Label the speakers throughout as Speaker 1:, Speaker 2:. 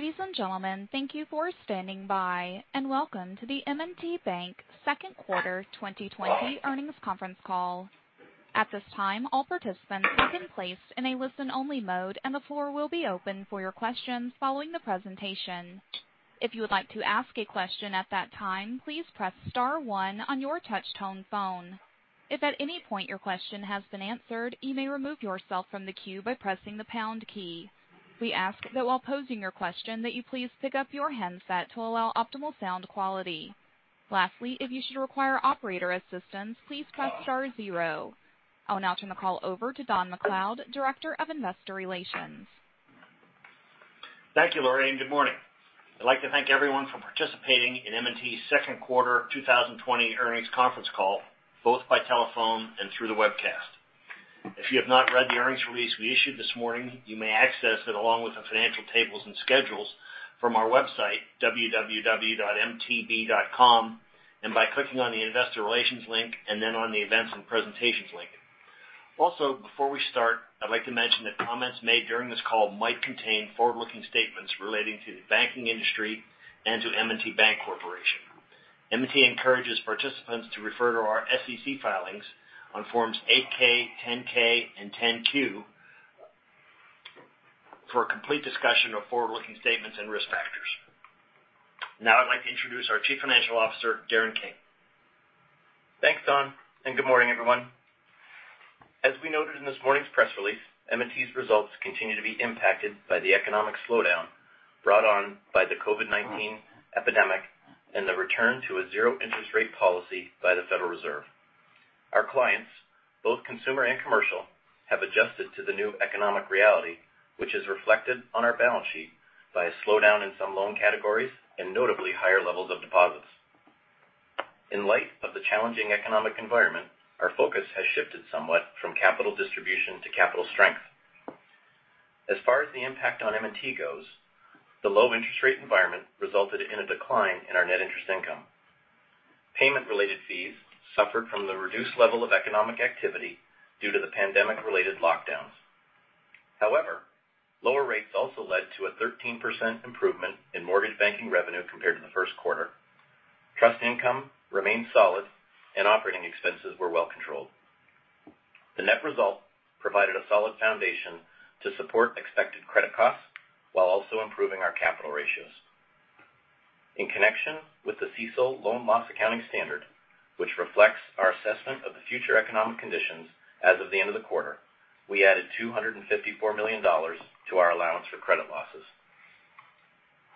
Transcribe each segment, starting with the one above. Speaker 1: Ladies and gentlemen, thank you for standing by, and welcome to the M&T Bank Second Quarter 2020 Earnings Conference Call. At this time, all participants have been placed in a listen-only mode, and the floor will be open for your questions following the presentation. If you would like to ask a question at that time, please press star one on your touch-tone phone. If at any point your question has been answered, you may remove yourself from the queue by pressing the pound key. We ask that while posing your question, that you please pick up your handset to allow optimal sound quality. Lastly, if you should require operator assistance, please press star zero. I'll now turn the call over to Don MacLeod, Director of Investor Relations.
Speaker 2: Thank you, Laurie, and good morning. I'd like to thank everyone for participating in M&T's second quarter 2020 earnings conference call, both by telephone and through the webcast. If you have not read the earnings release we issued this morning, you may access it along with the financial tables and schedules from our website, www.mtb.com, and by clicking on the Investor Relations link and then on the Events and Presentations link. Before we start, I'd like to mention that comments made during this call might contain forward-looking statements relating to the banking industry and to M&T Bank Corporation. M&T encourages participants to refer to our SEC filings on forms 8-K, 10-K, and 10-Q for a complete discussion of forward-looking statements and risk factors. I'd like to introduce our Chief Financial Officer, Darren King.
Speaker 3: Thanks, Don, and good morning, everyone. As we noted in this morning's press release, M&T's results continue to be impacted by the economic slowdown brought on by the COVID-19 pandemic and the return to a zero interest rate policy by the Federal Reserve. Our clients, both consumer and commercial, have adjusted to the new economic reality, which is reflected on our balance sheet by a slowdown in some loan categories and notably higher levels of deposits. In light of the challenging economic environment, our focus has shifted somewhat from capital distribution to capital strength. As far as the impact on M&T goes, the low interest rate environment resulted in a decline in our net interest income. Payment-related fees suffered from the reduced level of economic activity due to the pandemic-related lockdowns. However, lower rates also led to a 13% improvement in mortgage banking revenue compared to the first quarter. Trust income remained solid, and operating expenses were well controlled. The net result provided a solid foundation to support expected credit costs while also improving our capital ratios. In connection with the CECL loan loss accounting standard, which reflects our assessment of the future economic conditions as of the end of the quarter, we added $254 million to our allowance for credit losses.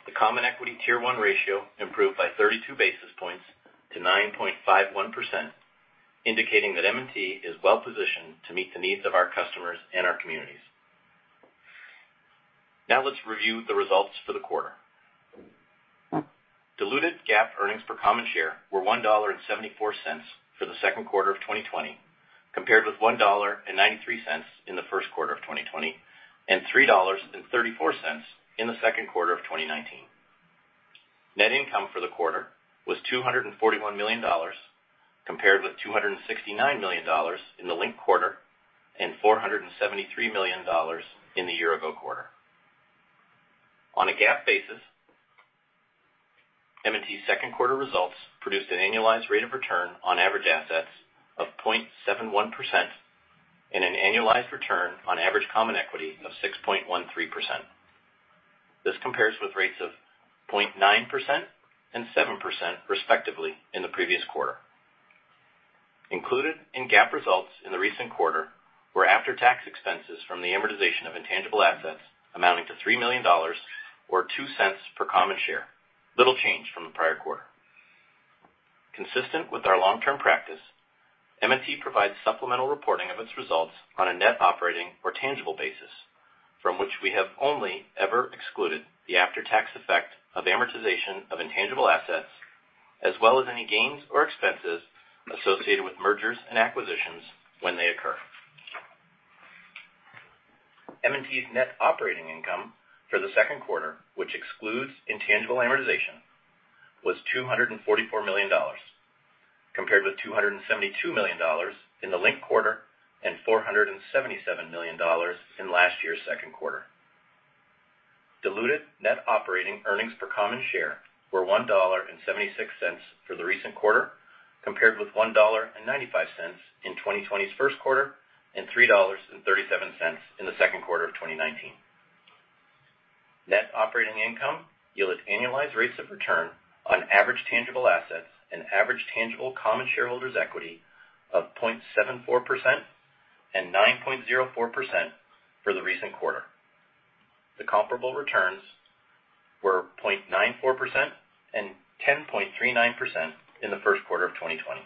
Speaker 3: The Common Equity Tier 1 ratio improved by 32 basis points to 9.51%, indicating that M&T is well-positioned to meet the needs of our customers and our communities. Now let's review the results for the quarter. Diluted GAAP earnings per common share were $1.74 for the second quarter of 2020, compared with $1.93 in the first quarter of 2020 and $3.34 in the second quarter of 2019. Net income for the quarter was $241 million, compared with $269 million in the linked quarter and $473 million in the year ago quarter. On a GAAP basis, M&T's second quarter results produced an annualized rate of return on average assets of 0.71% and an annualized return on average common equity of 6.13%. This compares with rates of 0.9% and 7%, respectively, in the previous quarter. Included in GAAP results in the recent quarter were after-tax expenses from the amortization of intangible assets amounting to $3 million, or $0.02 per common share, little change from the prior quarter. Consistent with our long-term practice, M&T provides supplemental reporting of its results on a net operating or tangible basis, from which we have only ever excluded the after-tax effect of amortization of intangible assets, as well as any gains or expenses associated with mergers and acquisitions when they occur. M&T's net operating income for the second quarter, which excludes intangible amortization, was $244 million, compared with $272 million in the linked quarter and $477 million in last year's second quarter. Diluted net operating earnings per common share were $1.76 for the recent quarter, compared with $1.95 in 2020's first quarter and $3.37 in the second quarter of 2019. Net operating income yielded annualized rates of return on average tangible assets and average tangible common shareholders' equity of 0.74% and 9.04% for the recent quarter. The comparable returns were 0.94% and 10.39% in the first quarter of 2020.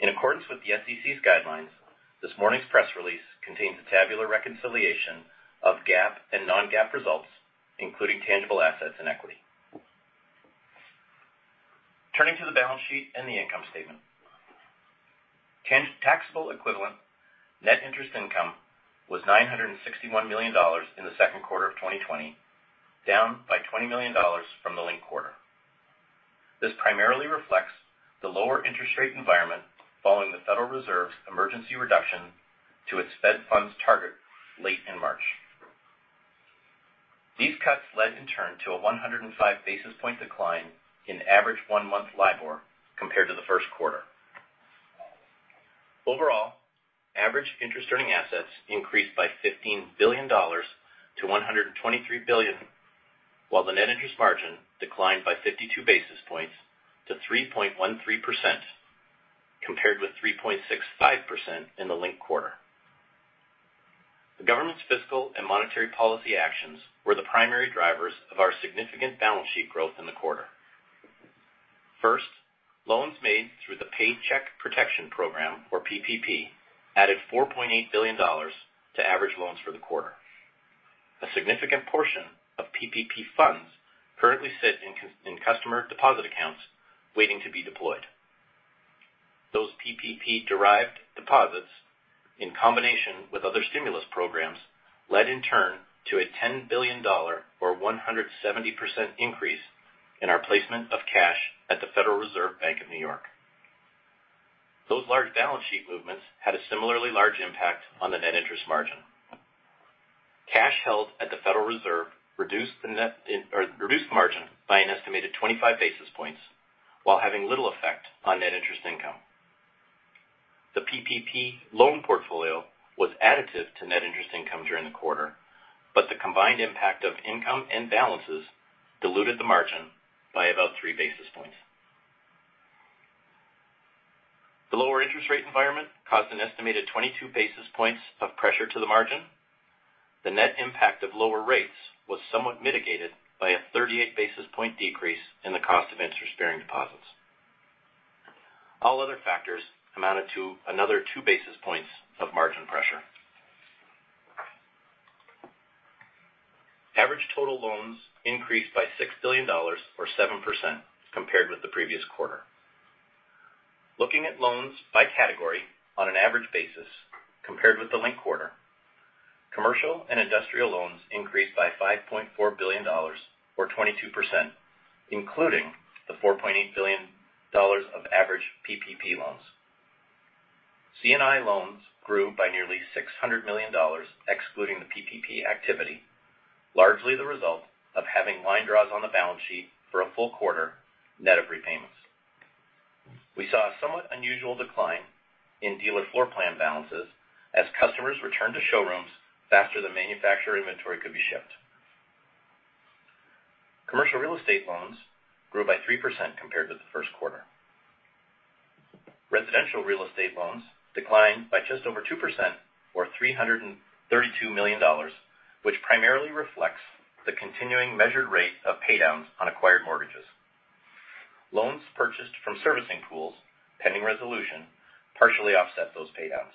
Speaker 3: In accordance with the SEC's guidelines, this morning's press release contains a tabular reconciliation of GAAP and non-GAAP results, including tangible assets and equity. Turning to the balance sheet and the income statement. Taxable equivalent net interest income was $961 million in the second quarter of 2020, down by $20 million from the linked quarter. This primarily reflects the lower interest rate environment following the Federal Reserve's emergency reduction to its fed funds target late in March. These cuts led in turn to a 105 basis point decline in average one-month LIBOR compared to the first quarter. Overall, average interest-earning assets increased by $15 billion to $123 billion, while the net interest margin declined by 52 basis points to 3.13%, compared with 3.65% in the linked quarter. The government's fiscal and monetary policy actions were the primary drivers of our significant balance sheet growth in the quarter. First, loans made through the Paycheck Protection Program, or PPP, added $4.8 billion to average loans for the quarter. A significant portion of PPP funds currently sit in customer deposit accounts waiting to be deployed. Those PPP-derived deposits, in combination with other stimulus programs, led in turn to a $10 billion, or 170% increase in our placement of cash at the Federal Reserve Bank of New York. Those large balance sheet movements had a similarly large impact on the net interest margin. Cash held at the Federal Reserve reduced margin by an estimated 25 basis points while having little effect on net interest income. The PPP loan portfolio was additive to net interest income during the quarter, but the combined impact of income and balances diluted the margin by about three basis points. The lower interest rate environment caused an estimated 22 basis points of pressure to the margin. The net impact of lower rates was somewhat mitigated by a 38 basis point decrease in the cost of interest-bearing deposits. All other factors amounted to another two basis points of margin pressure. Average total loans increased by $6 billion, or 7%, compared with the previous quarter. Looking at loans by category on an average basis compared with the linked quarter, commercial and industrial loans increased by $5.4 billion, or 22%, including the $4.8 billion of average PPP loans. C&I loans grew by nearly $600 million, excluding the PPP activity, largely the result of having line draws on the balance sheet for a full quarter net of repayments. We saw a somewhat unusual decline in dealer floorplan balances as customers returned to showrooms faster than manufacturer inventory could be shipped. Commercial real estate loans grew by 3% compared to the first quarter. Residential real estate loans declined by just over 2%, or $332 million, which primarily reflects the continuing measured rate of paydowns on acquired mortgages. Loans purchased from servicing pools pending resolution partially offset those paydowns.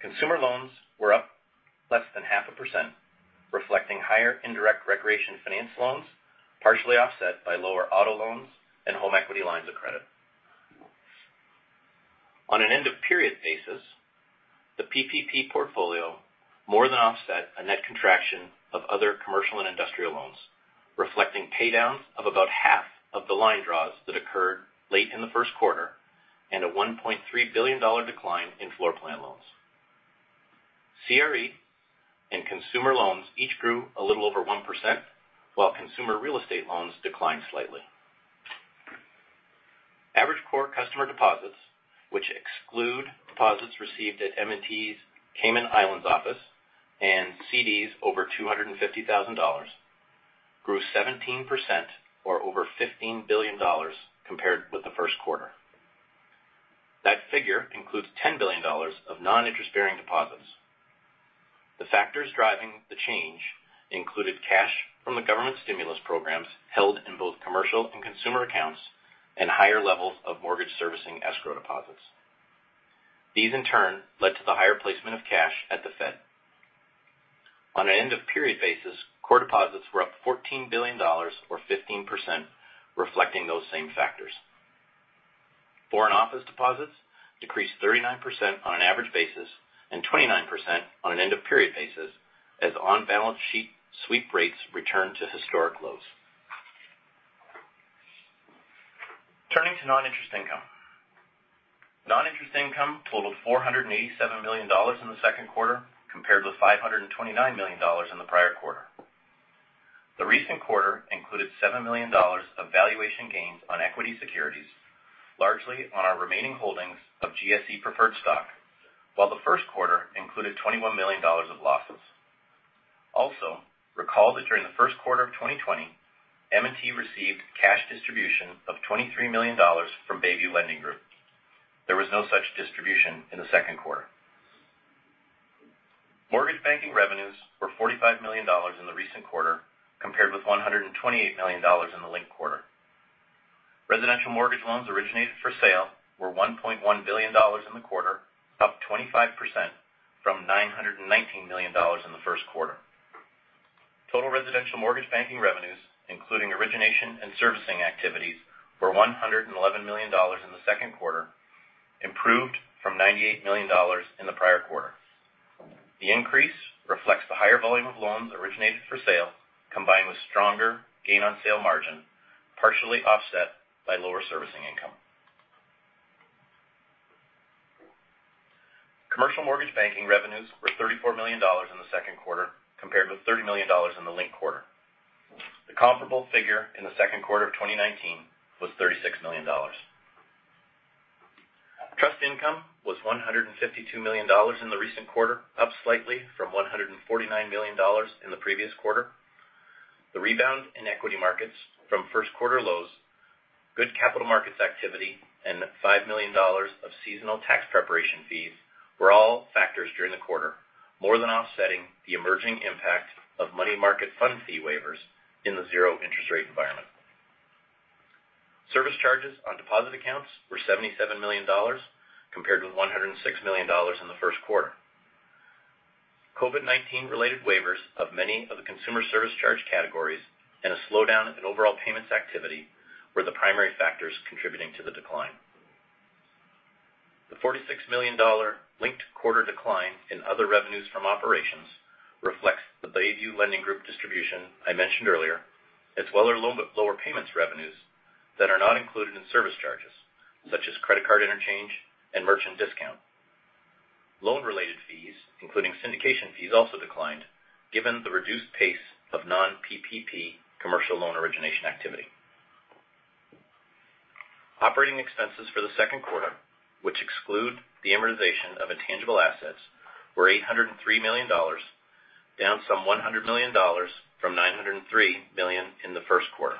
Speaker 3: Consumer loans were up less than 0.5%, reflecting higher indirect recreation finance loans, partially offset by lower auto loans and home equity lines of credit. On an end-of-period basis, the PPP portfolio more than offset a net contraction of other commercial and industrial loans, reflecting paydowns of about half of the line draws that occurred late in the first quarter and a $1.3 billion decline in floorplan loans. CRE and consumer loans each grew a little over 1%, while consumer real estate loans declined slightly. Average core customer deposits, which exclude deposits received at M&T's Cayman Islands office and CDs over $250,000, grew 17%, or over $15 billion compared with the first quarter. That figure includes $10 billion of non-interest-bearing deposits. The factors driving the change included cash from the government stimulus programs held in both commercial and consumer accounts and higher levels of mortgage servicing escrow deposits. These, in turn, led to the higher placement of cash at the Fed. On an end-of-period basis, core deposits were up $14 billion, or 15%, reflecting those same factors. Foreign office deposits decreased 39% on an average basis and 29% on an end-of-period basis as on-balance sheet sweep rates returned to historic lows. Turning to non-interest income. Non-interest income totaled $487 million in the second quarter, compared with $529 million in the prior quarter. The recent quarter included $7 million of valuation gains on equity securities, largely on our remaining holdings of GSE preferred stock, while the first quarter included $21 million of losses. Also, recall that during the first quarter of 2020, M&T received cash distribution of $23 million from Bayview Lending Group. There was no such distribution in the second quarter. Mortgage banking revenues were $45 million in the recent quarter, compared with $128 million in the linked quarter. Residential mortgage loans originated for sale were $1.1 billion in the quarter, up 25% from $919 million in the first quarter. Total residential mortgage banking revenues, including origination and servicing activities, were $111 million in the second quarter, improved from $98 million in the prior quarter. The increase reflects the higher volume of loans originated for sale, combined with stronger gain on sale margin, partially offset by lower servicing income. Commercial mortgage banking revenues were $34 million in the second quarter, compared with $30 million in the linked quarter. The comparable figure in the second quarter of 2019 was $36 million. Trust income was $152 million in the recent quarter, up slightly from $149 million in the previous quarter. The rebound in equity markets from first quarter lows, good capital markets activity, and $5 million of seasonal tax preparation fees were all factors during the quarter, more than offsetting the emerging impact of money market fund fee waivers in the zero interest rate environment. Service charges on deposit accounts were $77 million, compared with $106 million in the first quarter. COVID-19 related waivers of many of the consumer service charge categories and a slowdown in overall payments activity were the primary factors contributing to the decline. The $46 million linked quarter decline in other revenues from operations reflects the Bayview Lending Group distribution I mentioned earlier, as well as lower payments revenues that are not included in service charges, such as credit card interchange and merchant discount. Loan-related fees, including syndication fees, also declined given the reduced pace of non-PPP commercial loan origination activity. Operating expenses for the second quarter, which exclude the amortization of intangible assets, were $803 million, down some $100 million from $903 million in the first quarter.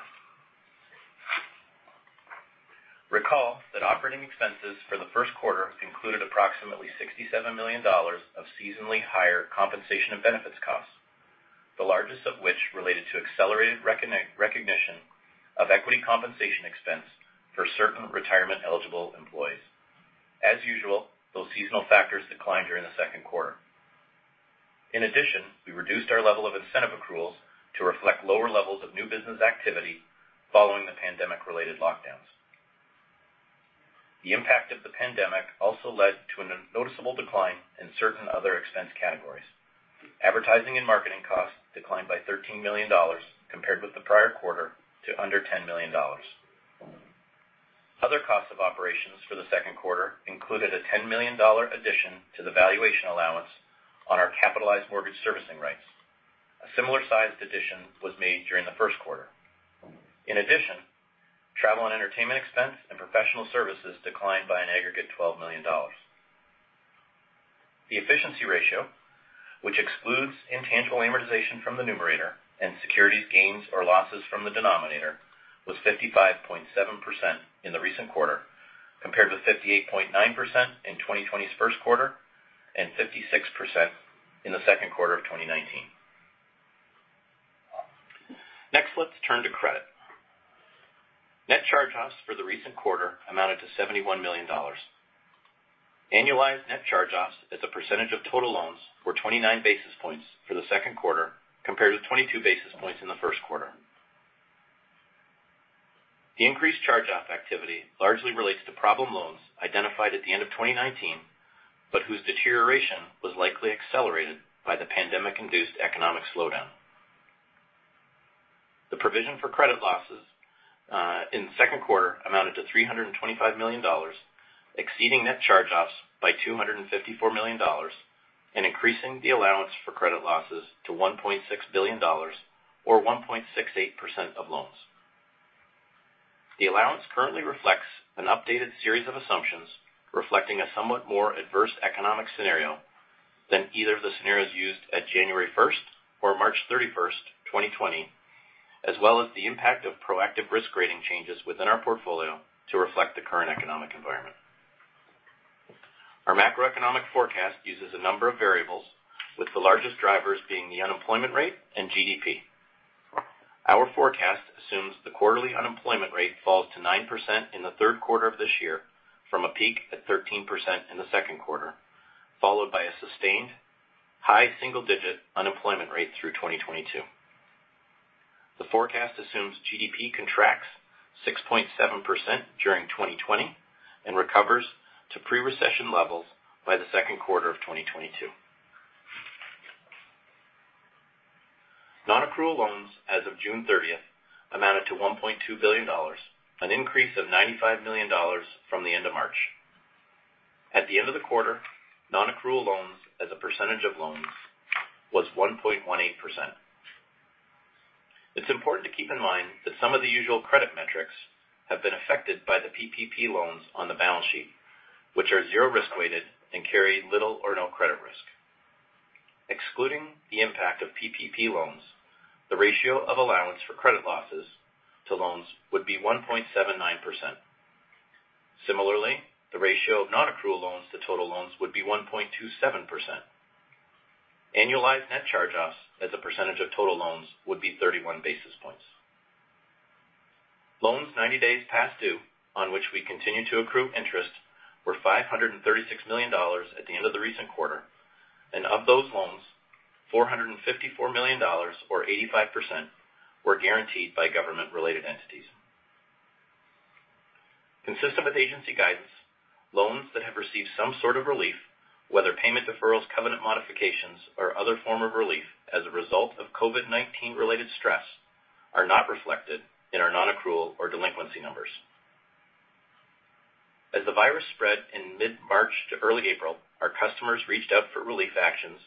Speaker 3: Recall that operating expenses for the first quarter included approximately $67 million of seasonally higher compensation and benefits costs, the largest of which related to accelerated recognition of equity compensation expense for certain retirement-eligible employees. As usual, those seasonal factors declined during the second quarter. In addition, we reduced our level of incentive accruals to reflect lower levels of new business activity following the pandemic-related lockdowns. The impact of the pandemic also led to a noticeable decline in certain other expense categories. Advertising and marketing costs declined by $13 million compared with the prior quarter to under $10 million. Other costs of operations for the second quarter included a $10 million addition to the valuation allowance on our capitalized mortgage servicing rights. A similar-sized addition was made during the first quarter. In addition, travel and entertainment expense and professional services declined by an aggregate $12 million. The efficiency ratio, which excludes intangible amortization from the numerator and securities gains or losses from the denominator, was 55.7% in the recent quarter, compared with 58.9% in 2020's first quarter and 56% in the second quarter of 2019. Next, let's turn to credit. Net charge-offs for the recent quarter amounted to $71 million. Annualized net charge-offs as a percentage of total loans were 29 basis points for the second quarter, compared with 22 basis points in the first quarter. The increased charge-off activity largely relates to problem loans identified at the end of 2019, but whose deterioration was likely accelerated by the pandemic-induced economic slowdown. The provision for credit losses in the second quarter amounted to $325 million, exceeding net charge-offs by $254 million and increasing the allowance for credit losses to $1.6 billion or 1.68% of loans. The allowance currently reflects an updated series of assumptions reflecting a somewhat more adverse economic scenario than either of the scenarios used at January 1st or March 31st, 2020, as well as the impact of proactive risk rating changes within our portfolio to reflect the current economic environment. Our macroeconomic forecast uses a number of variables, with the largest drivers being the unemployment rate and GDP. Our forecast assumes the quarterly unemployment rate falls to 9% in the third quarter of this year from a peak at 13% in the second quarter, followed by a sustained high single-digit unemployment rate through 2022. The forecast assumes GDP contracts 6.7% during 2020 recovers to pre-recession levels by the second quarter of 2022. Nonaccrual loans as of June 30th amounted to $1.2 billion, an increase of $95 million from the end of March. At the end of the quarter, nonaccrual loans as a percentage of loans was 1.18%. It's important to keep in mind that some of the usual credit metrics have been affected by the PPP loans on the balance sheet, which are zero risk-weighted and carry little or no credit risk. Excluding the impact of PPP loans, the ratio of allowance for credit losses to loans would be 1.79%. Similarly, the ratio of nonaccrual loans to total loans would be 1.27%. Annualized net charge-offs as a percentage of total loans would be 31 basis points. Loans 90 days past due, on which we continue to accrue interest, were $536 million at the end of the recent quarter. Of those loans, $454 million or 85% were guaranteed by government-related entities. Consistent with agency guidance, loans that have received some sort of relief, whether payment deferrals, covenant modifications, or other form of relief as a result of COVID-19-related stress, are not reflected in our non-accrual or delinquency numbers. As the virus spread in mid-March to early April, our customers reached out for relief actions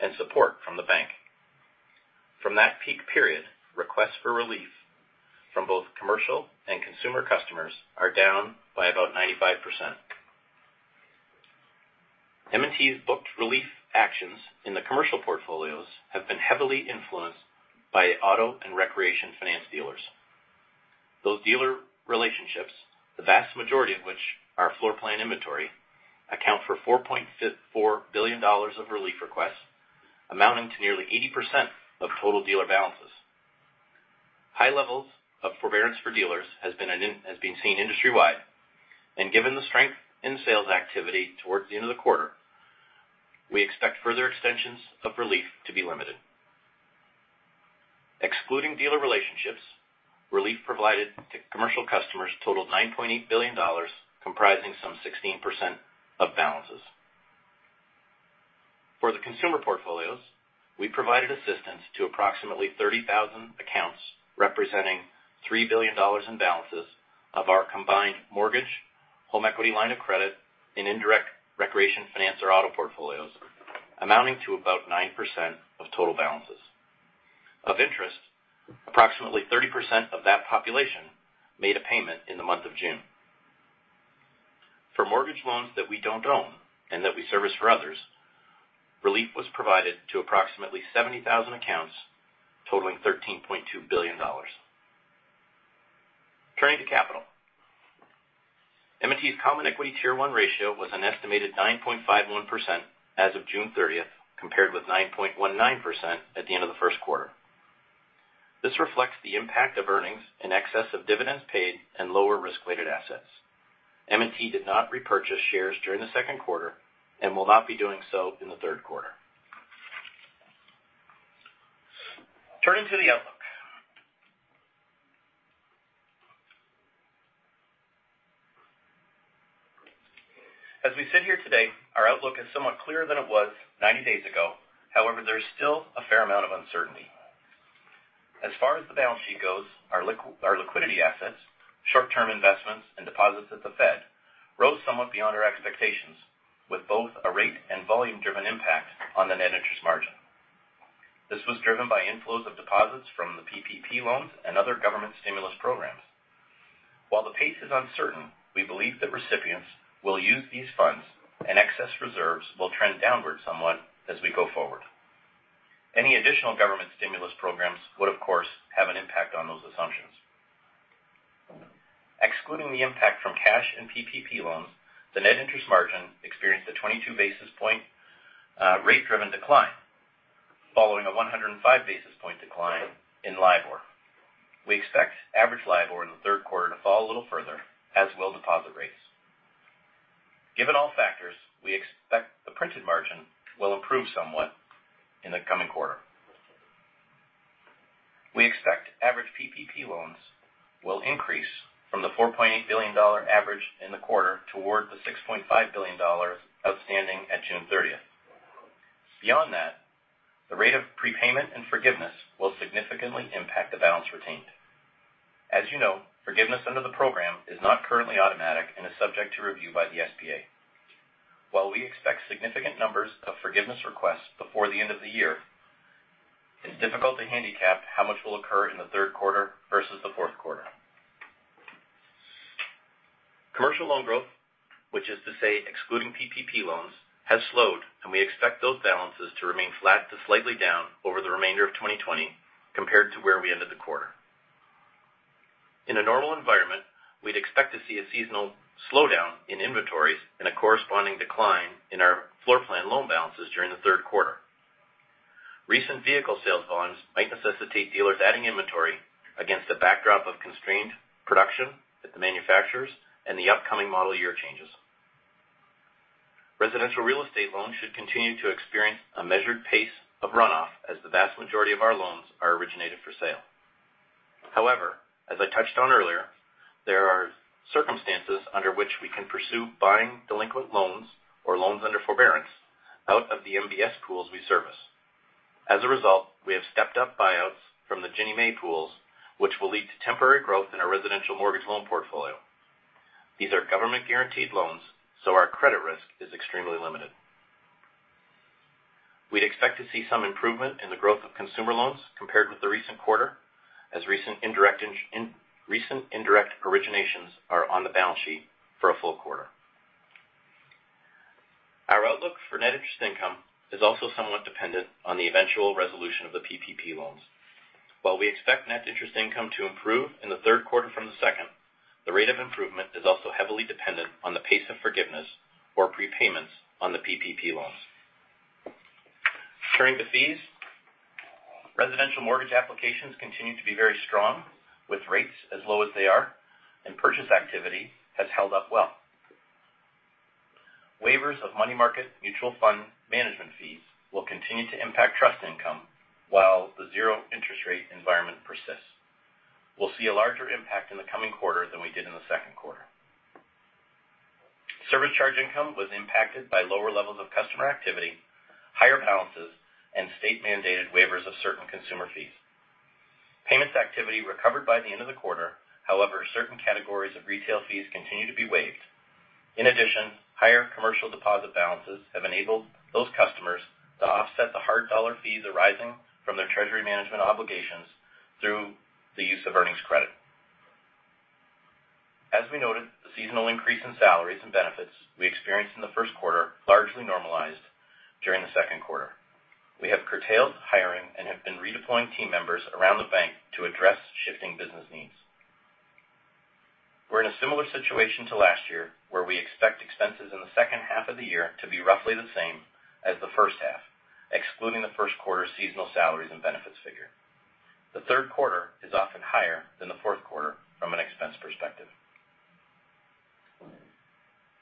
Speaker 3: and support from the bank. From that peak period, requests for relief from both commercial and consumer customers are down by about 95%. M&T's booked relief actions in the commercial portfolios have been heavily influenced by auto and recreation finance dealers. Those dealer relationships, the vast majority of which are floor plan inventory, account for $4.4 billion of relief requests, amounting to nearly 80% of total dealer balances. High levels of forbearance for dealers has been seen industry-wide. Given the strength in sales activity towards the end of the quarter, we expect further extensions of relief to be limited. Excluding dealer relationships, relief provided to commercial customers totaled $9.8 billion, comprising some 16% of balances. For the consumer portfolios, we provided assistance to approximately 30,000 accounts, representing $3 billion in balances of our combined mortgage, home equity line of credit, and indirect recreation finance or auto portfolios, amounting to about 9% of total balances. Of interest, approximately 30% of that population made a payment in the month of June. For mortgage loans that we don't own and that we service for others, relief was provided to approximately 70,000 accounts totaling $13.2 billion. Turning to capital. M&T's Common Equity Tier 1 ratio was an estimated 9.51% as of June 30th, compared with 9.19% at the end of the first quarter. This reflects the impact of earnings in excess of dividends paid and lower risk-weighted assets. M&T did not repurchase shares during the second quarter and will not be doing so in the third quarter. Turning to the outlook. As we sit here today, our outlook is somewhat clearer than it was 90 days ago. However, there is still a fair amount of uncertainty. As far as the balance sheet goes, our liquidity assets, short-term investments, and deposits at the Fed rose somewhat beyond our expectations, with both a rate and volume-driven impact on the net interest margin. This was driven by inflows of deposits from the PPP loans and other government stimulus programs. While the pace is uncertain, we believe that recipients will use these funds, and excess reserves will trend downward somewhat as we go forward. Any additional government stimulus programs would, of course, have an impact on those assumptions. Excluding the impact from cash and PPP loans, the net interest margin experienced a 22 basis point rate-driven decline following a 105 basis point decline in LIBOR. We expect average LIBOR in the third quarter to fall a little further, as will deposit rates. Given all factors, we expect the printed margin will improve somewhat in the coming quarter. We expect average PPP loans will increase from the $4.8 billion average in the quarter toward the $6.5 billion outstanding at June 30th. Beyond that, the rate of prepayment and forgiveness will significantly impact the balance retained. As you know, forgiveness under the program is not currently automatic and is subject to review by the SBA. While we expect significant numbers of forgiveness requests before the end of the year, it's difficult to handicap how much will occur in the third quarter versus the fourth quarter. Commercial loan growth, which is to say excluding PPP loans, has slowed, and we expect those balances to remain flat to slightly down over the remainder of 2020 compared to where we ended the quarter. In a normal environment, we'd expect to see a seasonal slowdown in inventories and a corresponding decline in our floor plan loan balances during the third quarter. Recent vehicle sales trends might necessitate dealers adding inventory against a backdrop of constrained production at the manufacturers and the upcoming model year changes. Residential real estate loans should continue to experience a measured pace of runoff as the vast majority of our loans are originated for sale. However, as I touched on earlier, there are circumstances under which we can pursue buying delinquent loans or loans under forbearance out of the MBS pools we service. As a result, we have stepped up buyouts from the Ginnie Mae pools, which will lead to temporary growth in our residential mortgage loan portfolio. These are government-guaranteed loans, so our credit risk is extremely limited. We'd expect to see some improvement in the growth of consumer loans compared with the recent quarter, as recent indirect originations are on the balance sheet for a full quarter. Our outlook for net interest income is also somewhat dependent on the eventual resolution of the PPP loans. While we expect net interest income to improve in the third quarter from the second, the rate of improvement is also heavily dependent on the pace of forgiveness or prepayments on the PPP loans. Turning to fees. Residential mortgage applications continue to be very strong with rates as low as they are, and purchase activity has held up well. Waivers of money market mutual fund management fees will continue to impact trust income while the zero interest rate environment persists. We'll see a larger impact in the coming quarter than we did in the second quarter. Service charge income was impacted by lower levels of customer activity, higher balances, and state-mandated waivers of certain consumer fees. Payments activity recovered by the end of the quarter. However, certain categories of retail fees continue to be waived. In addition, higher commercial deposit balances have enabled those customers to offset the hard dollar fees arising from their treasury management obligations through the use of earnings credit. As we noted, the seasonal increase in salaries and benefits we experienced in the first quarter largely normalized during the second quarter. We have curtailed hiring and have been redeploying team members around the bank to address shifting business needs. We're in a similar situation to last year, where we expect expenses in the second half of the year to be roughly the same as the first half, excluding the first quarter's seasonal salaries and benefits figure. The third quarter is often higher than the fourth quarter from an expense perspective.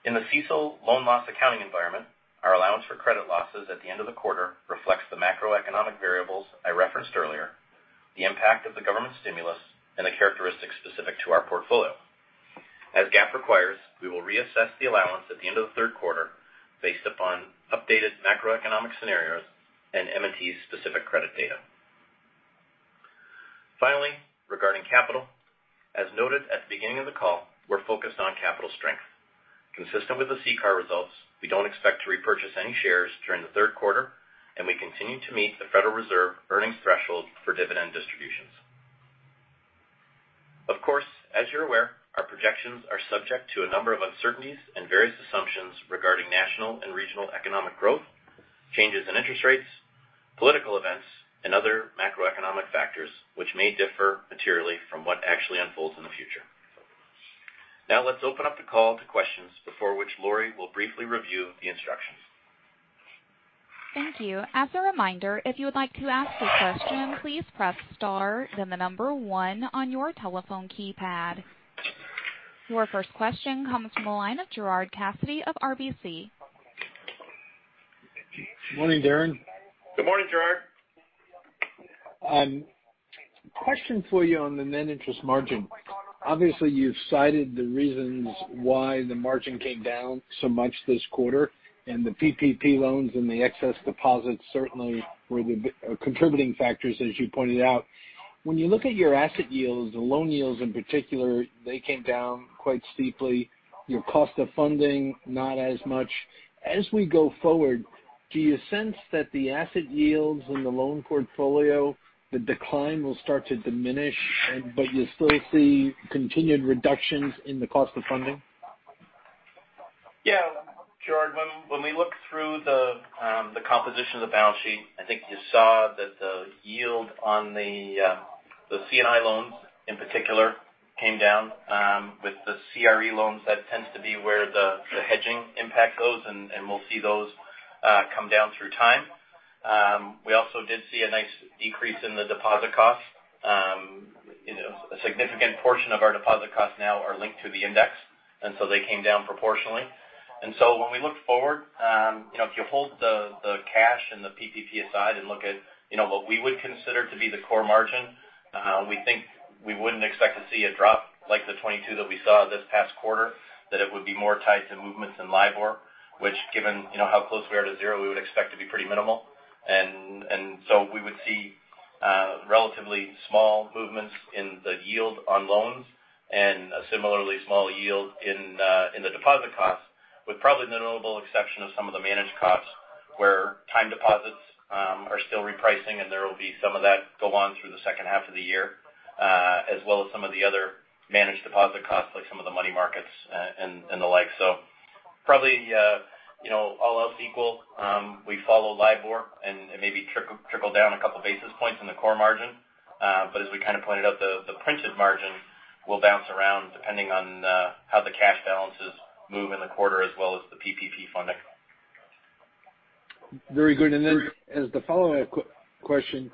Speaker 3: In the CECL loan loss accounting environment, our allowance for credit losses at the end of the quarter reflects the macroeconomic variables I referenced earlier, the impact of the government stimulus, and the characteristics specific to our portfolio. As GAAP requires, we will reassess the allowance at the end of the third quarter based upon updated macroeconomic scenarios and M&T's specific credit data. Regarding capital, as noted at the beginning of the call, we're focused on capital strength. Consistent with the CCAR results, we don't expect to repurchase any shares during the third quarter, and we continue to meet the Federal Reserve earnings threshold for dividend distributions. Of course, as you're aware, our projections are subject to a number of uncertainties and various assumptions regarding national and regional economic growth, changes in interest rates, political events, and other macroeconomic factors, which may differ materially from what actually unfolds in the future. Now, let's open up the call to questions, before which Laurie will briefly review the instructions.
Speaker 1: Thank you. As a reminder, if you would like to ask a question, please press star, then the number one on your telephone keypad. Your first question comes from the line of Gerard Cassidy of RBC.
Speaker 4: Morning, Darren.
Speaker 3: Good morning, Gerard.
Speaker 4: Question for you on the net interest margin. Obviously, you've cited the reasons why the margin came down so much this quarter, and the PPP loans and the excess deposits certainly were the contributing factors, as you pointed out. When you look at your asset yields, the loan yields in particular, they came down quite steeply. Your cost of funding, not as much. As we go forward, do you sense that the asset yields in the loan portfolio, the decline will start to diminish, but you still see continued reductions in the cost of funding?
Speaker 3: Yeah. Gerard, when we look through the composition of the balance sheet, I think you saw that the yield on the C&I loans, in particular, came down. With the CRE loans, that tends to be where the hedging impact goes, and we'll see those come down through time. We also did see a nice decrease in the deposit costs. A significant portion of our deposit costs now are linked to the index, and so they came down proportionally. When we look forward, if you hold the cash and the PPP aside and look at what we would consider to be the core margin, we think we wouldn't expect to see a drop like the 22 basis points that we saw this past quarter, that it would be more tied to movements in LIBOR, which given how close we are to zero, we would expect to be pretty minimal. We would see relatively small movements in the yield on loans and a similarly small yield in the deposit costs, with probably the notable exception of some of the managed costs where time deposits are still repricing, and there will be some of that go on through the second half of the year, as well as some of the other managed deposit costs, like some of the money markets and the like. Probably, all else equal, we follow LIBOR and maybe trickle down a couple basis points in the core margin. As we pointed out, the printed margin will bounce around depending on how the cash balances move in the quarter, as well as the PPP funding.
Speaker 4: Very good. As the follow-up question,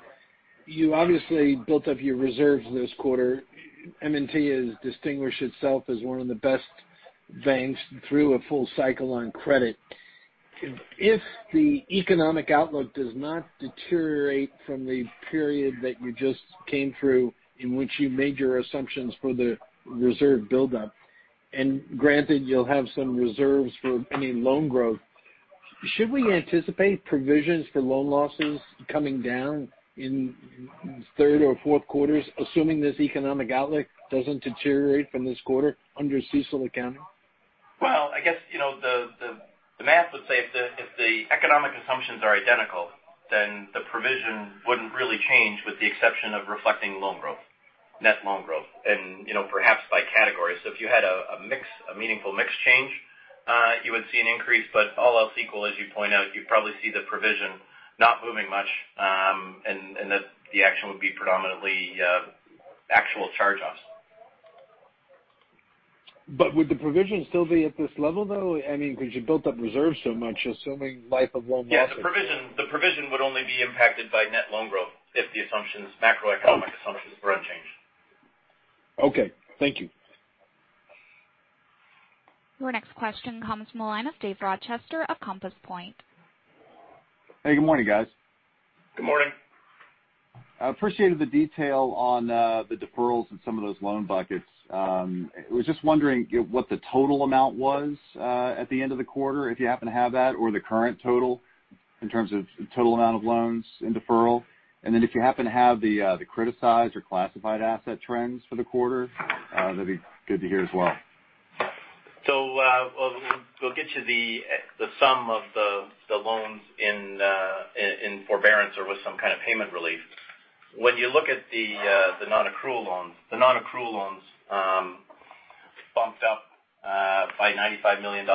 Speaker 4: you obviously built up your reserves this quarter. M&T has distinguished itself as one of the best banks through a full cycle on credit. If the economic outlook does not deteriorate from the period that you just came through in which you made your assumptions for the reserve buildup, and granted you'll have some reserves for any loan growth, should we anticipate provisions for loan losses coming down in third or fourth quarters, assuming this economic outlook doesn't deteriorate from this quarter under CECL accounting?
Speaker 3: Well, I guess, the math would say if the economic assumptions are identical, then the provision wouldn't really change, with the exception of reflecting loan growth, net loan growth, and perhaps by category. If you had a meaningful mix change, you would see an increase. All else equal, as you point out, you'd probably see the provision not moving much, and that the action would be predominantly actual charge-offs.
Speaker 4: Would the provision still be at this level, though? Because you built up reserves so much, assuming life of loan losses.
Speaker 3: The provision would only be impacted by net loan growth if the macroeconomic assumptions were unchanged.
Speaker 4: Okay. Thank you.
Speaker 1: Your next question comes from the line of Dave Rochester of Compass Point.
Speaker 5: Hey, good morning, guys.
Speaker 3: Good morning.
Speaker 5: I appreciated the detail on the deferrals and some of those loan buckets. I was just wondering what the total amount was at the end of the quarter, if you happen to have that, or the current total in terms of total amount of loans in deferral. If you happen to have the criticized or classified asset trends for the quarter, that'd be good to hear as well.
Speaker 3: We'll get you the sum of the loans in forbearance or with some kind of payment relief. When you look at the non-accrual loans, the non-accrual loans bumped up by $95 million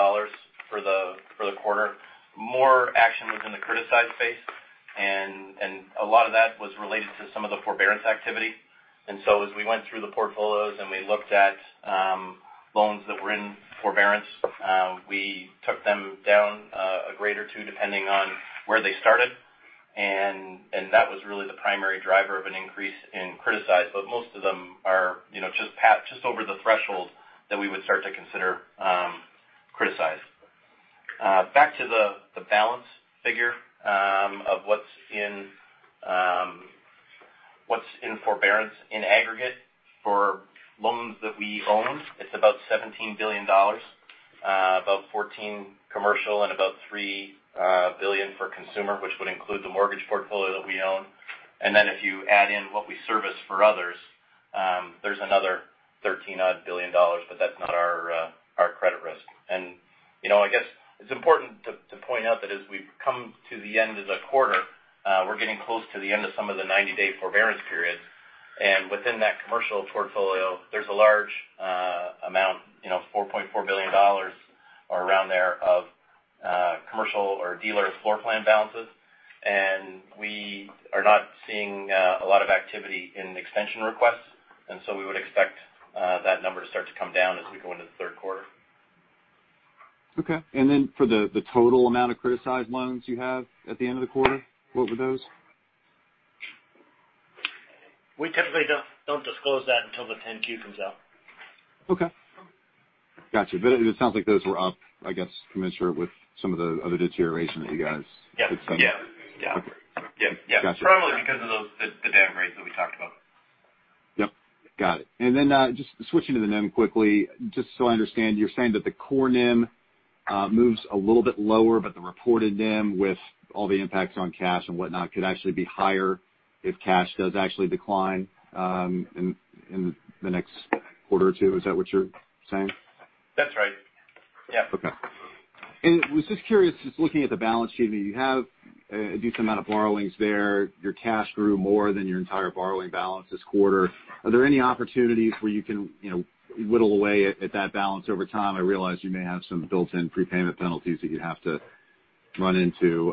Speaker 3: for the quarter. More action was in the criticized space, and a lot of that was related to some of the forbearance activity. As we went through the portfolios and we looked at loans that were in forbearance, we took them down a grade or two, depending on where they started. That was really the primary driver of an increase in criticized. Most of them are just over the threshold that we would start to consider criticized. Back to the balance figure of what's in forbearance in aggregate for loans that we own. It's about $17 billion. About $14 commercial and about $3 billion for consumer, which would include the mortgage portfolio that we own. If you add in what we service for others, there's another $13 odd billion, but that's not our credit risk. I guess it's important to point out that as we come to the end of the quarter, we're getting close to the end of some of the 90-day forbearance periods. Within that commercial portfolio, there's a large amount, $4.4 billion or around there, of commercial or dealer floor plan balances. We are not seeing a lot of activity in extension requests. We would expect that number to start to come down as we go into the third quarter.
Speaker 5: Okay. For the total amount of criticized loans you have at the end of the quarter, what were those?
Speaker 3: We typically don't disclose that until the 10-Q comes out.
Speaker 5: Okay. Got you. It sounds like those were up, I guess, commensurate with some of the other deterioration that you guys had seen.
Speaker 3: Yeah.
Speaker 5: Okay.
Speaker 3: Yeah.
Speaker 5: Got you.
Speaker 3: Probably because of the downgrades that we talked about.
Speaker 5: Yep. Got it. Then just switching to the NIM quickly, just so I understand, you're saying that the core NIM moves a little bit lower, but the reported NIM with all the impacts on cash and whatnot could actually be higher if cash does actually decline in the next quarter or two. Is that what you're saying?
Speaker 3: That's right. Yeah.
Speaker 5: Okay. Was just curious, just looking at the balance sheet, I mean, you have a decent amount of borrowings there. Your cash grew more than your entire borrowing balance this quarter. Are there any opportunities where you can whittle away at that balance over time? I realize you may have some built-in prepayment penalties that you'd have to run into.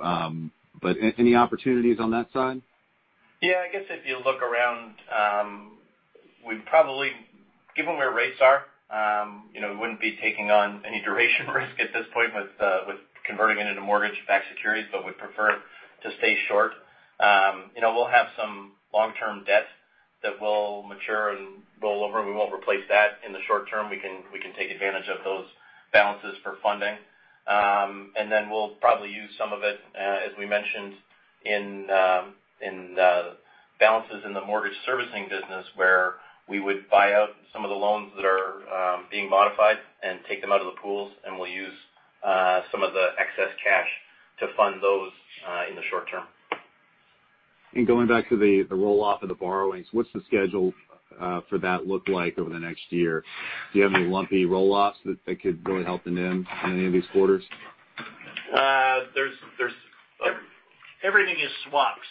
Speaker 5: Any opportunities on that side?
Speaker 3: Yeah, I guess if you look around, given where rates are we wouldn't be taking on any duration risk at this point with converting it into mortgage-backed securities, but we'd prefer to stay short. We'll have some long-term debt that will mature and roll over. We won't replace that in the short term. We can take advantage of those balances for funding. We'll probably use some of it, as we mentioned, in balances in the mortgage servicing business where we would buy out some of the loans that are being modified and take them out of the pools, and we'll use some of the excess cash to fund those in the short term.
Speaker 5: Going back to the roll-off of the borrowings, what's the schedule for that look like over the next year? Do you have any lumpy roll-offs that could really help the NIM in any of these quarters?
Speaker 3: Everything is swaps,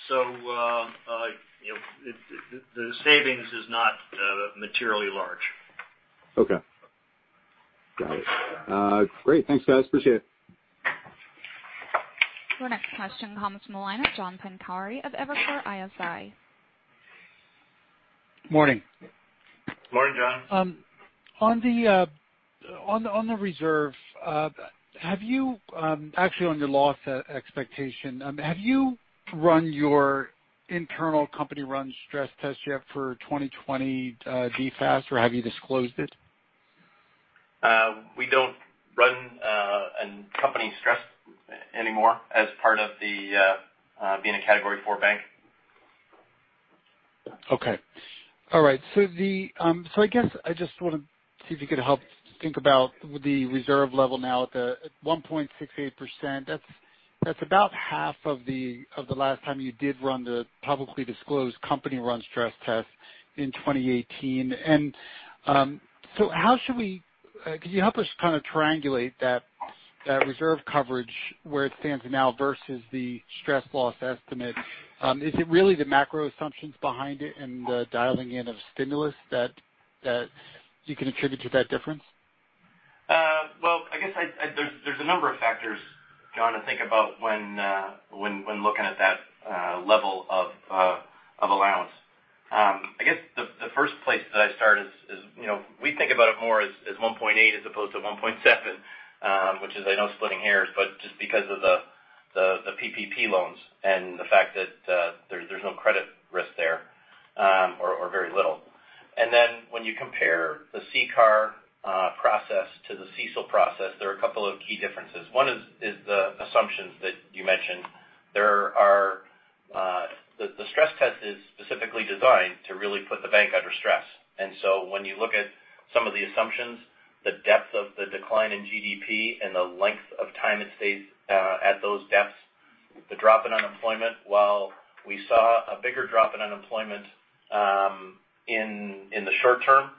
Speaker 3: the savings is not materially large.
Speaker 5: Okay. Got it. Great. Thanks, guys. Appreciate it.
Speaker 1: Your next question comes from the line of John Pancari of Evercore ISI.
Speaker 6: Morning.
Speaker 3: Morning, John.
Speaker 6: On the reserve, actually on your loss expectation, have you run your internal company-run stress test yet for 2020 DFAST, or have you disclosed it?
Speaker 3: We don't run a company stress anymore as part of being a Category IV bank.
Speaker 6: Okay. All right. I guess I just want to see if you could help think about the reserve level now at 1.68%. That's about half of the last time you did run the publicly disclosed company-run stress test in 2018. Could you help us kind of triangulate that reserve coverage where it stands now versus the stress loss estimate? Is it really the macro assumptions behind it and the dialing in of stimulus that you can attribute to that difference?
Speaker 3: Well, I guess there's a number of factors, John, to think about when looking at that level of allowance. I guess the first place that I'd start is we think about it more as 1.8 as opposed to 1.7, which is I know splitting hairs, just because of the PPP loans and the fact that there's no credit risk there, or very little. When you compare the CCAR process to the CECL process, there are a couple of key differences. One is the assumptions that you mentioned. The stress test is specifically designed to really put the bank under stress. When you look at some of the assumptions, the depth of the decline in GDP and the length of time it stays at those depths, the drop in unemployment, while we saw a bigger drop in unemployment in the short term,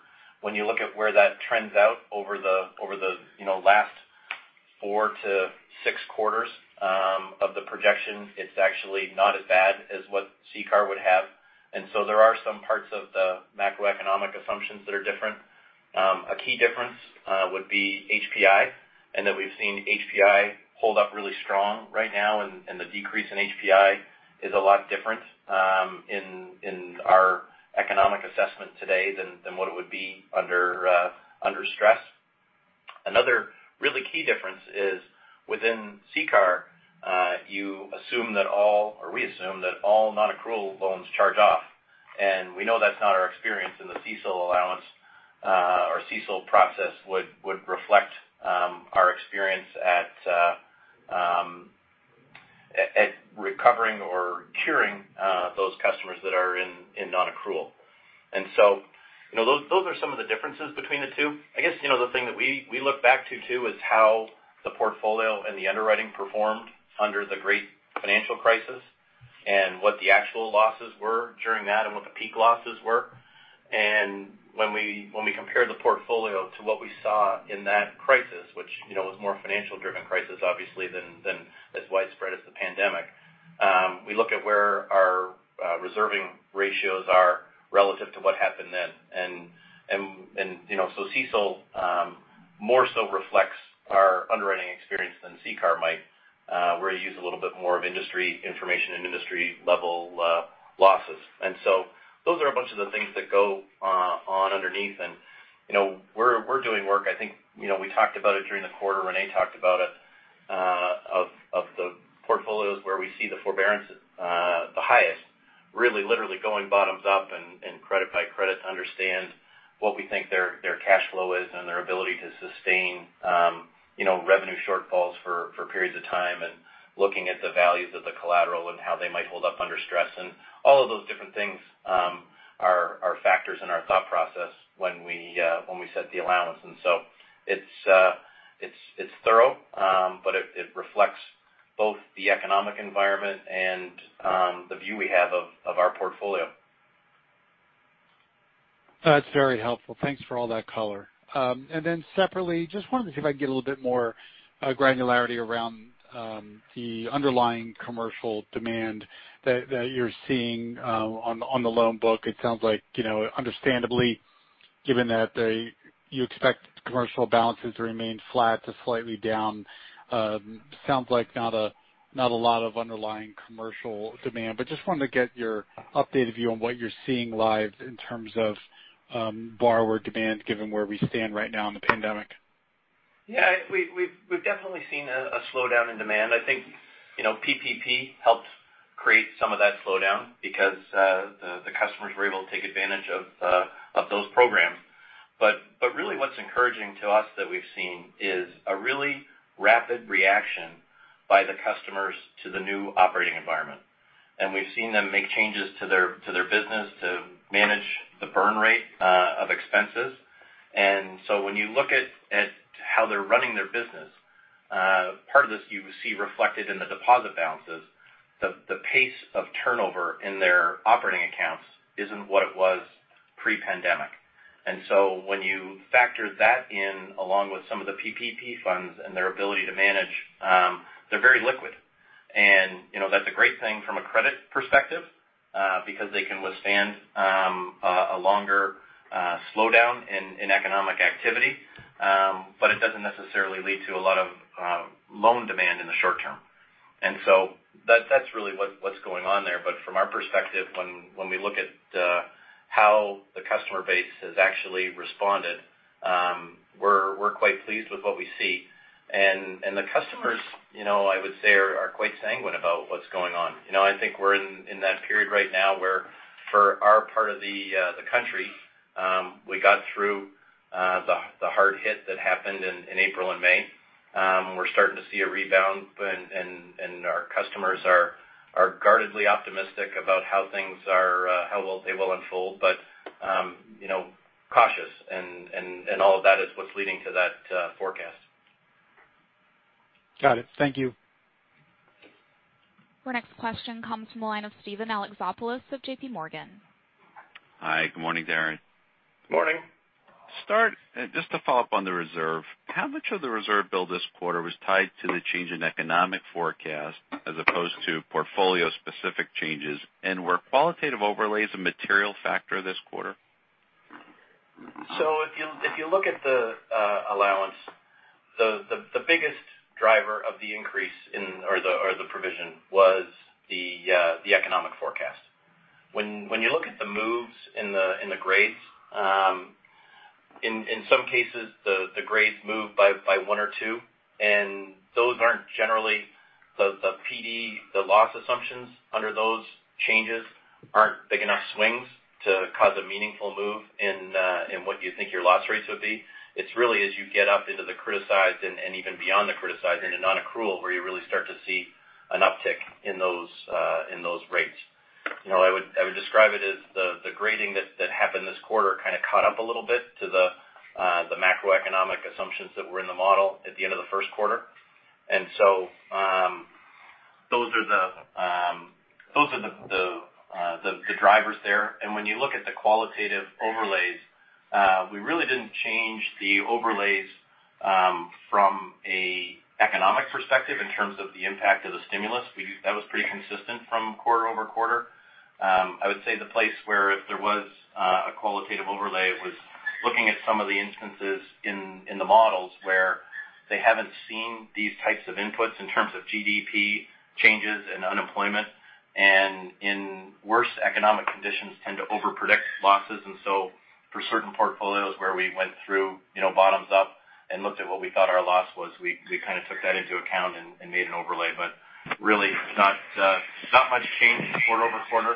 Speaker 3: when you look at where that trends out over the last four to six quarters of the projection, it's actually not as bad as what CCAR would have. There are some parts of the macroeconomic assumptions that are different. A key difference would be HPI, and that we've seen HPI hold up really strong right now, and the decrease in HPI is a lot different in our economic assessment today than what it would be under stress. Another really key difference is within CCAR, we assume that all non-accrual loans charge off. We know that's not our experience in the CECL allowance, or CECL process would reflect our experience at recovering or curing those customers that are in non-accrual. Those are some of the differences between the two. I guess, the thing that we look back to too is how the portfolio and the underwriting performed under the great financial crisis and what the actual losses were during that and what the peak losses were. When we compare the portfolio to what we saw in that crisis, which was more financial-driven crisis, obviously, than as widespread as the pandemic, we look at where our reserving ratios are relative to what happened then. CECL more so reflects our underwriting experience than CCAR might where you use a little bit more of industry information and industry-level losses. Those are a bunch of the things that go on underneath. We're doing work, I think we talked about it during the quarter, René talked about it, of the portfolios where we see the forbearance the highest, really literally going bottoms up and credit by credit to understand what we think their cash flow is and their ability to sustain revenue shortfalls for periods of time and looking at the values of the collateral and how they might hold up under stress. All of those different things are factors in our thought process when we set the allowance. It's thorough, but it reflects both the economic environment and the view we have of our portfolio.
Speaker 6: That's very helpful. Thanks for all that color. separately, just wanted to see if I could get a little bit more granularity around the underlying commercial demand that you're seeing on the loan book. It sounds like, understandably, given that you expect commercial balances to remain flat to slightly down. Sounds like not a lot of underlying commercial demand, but just wanted to get your updated view on what you're seeing live in terms of borrower demand, given where we stand right now in the pandemic.
Speaker 3: Yeah. We've definitely seen a slowdown in demand. I think PPP helped create some of that slowdown because the customers were able to take advantage of those programs. Really what's encouraging to us that we've seen is a really rapid reaction by the customers to the new operating environment. We've seen them make changes to their business to manage the burn rate of expenses. When you look at how they're running their business, part of this you see reflected in the deposit balances. The pace of turnover in their operating accounts isn't what it was pre-pandemic. When you factor that in, along with some of the PPP funds and their ability to manage, they're very liquid. That's a great thing from a credit perspective because they can withstand a longer slowdown in economic activity. It doesn't necessarily lead to a lot of loan demand in the short term. That's really what's going on there. From our perspective, when we look at how the customer base has actually responded, we're quite pleased with what we see. The customers, I would say, are quite sanguine about what's going on. I think we're in that period right now where for our part of the country, we got through the hard hit that happened in April and May. We're starting to see a rebound, and our customers are guardedly optimistic about how things they will unfold, but cautious, and all of that is what's leading to that forecast.
Speaker 6: Got it. Thank you.
Speaker 1: Our next question comes from the line of Steven Alexopoulos of JPMorgan.
Speaker 7: Hi, good morning, Darren.
Speaker 3: Morning.
Speaker 7: Just to follow up on the reserve, how much of the reserve bill this quarter was tied to the change in economic forecast as opposed to portfolio-specific changes? Were qualitative overlays a material factor this quarter?
Speaker 3: If you look at the allowance, the biggest driver of the increase or the provision was the economic forecast. When you look at the moves in the grades, in some cases, the grades move by one or two, and those aren't generally the PD, the loss assumptions under those changes aren't big enough swings to cause a meaningful move in what you think your loss rates would be. It's really as you get up into the criticized and even beyond the criticized into non-accrual, where you really start to see an uptick in those rates. I would describe it as the grading that happened this quarter kind of caught up a little bit to the macroeconomic assumptions that were in the model at the end of the first quarter. Those are the drivers there. When you look at the qualitative overlays, we really didn't change the overlays from an economic perspective in terms of the impact of the stimulus. That was pretty consistent from quarter-over-quarter. I would say the place where if there was a qualitative overlay was looking at some of the instances in the models where they haven't seen these types of inputs in terms of GDP changes and unemployment, and in worse economic conditions tend to over-predict losses. For certain portfolios where we went through bottoms-up and looked at what we thought our loss was, we kind of took that into account and made an overlay. Really not much change quarter-over-quarter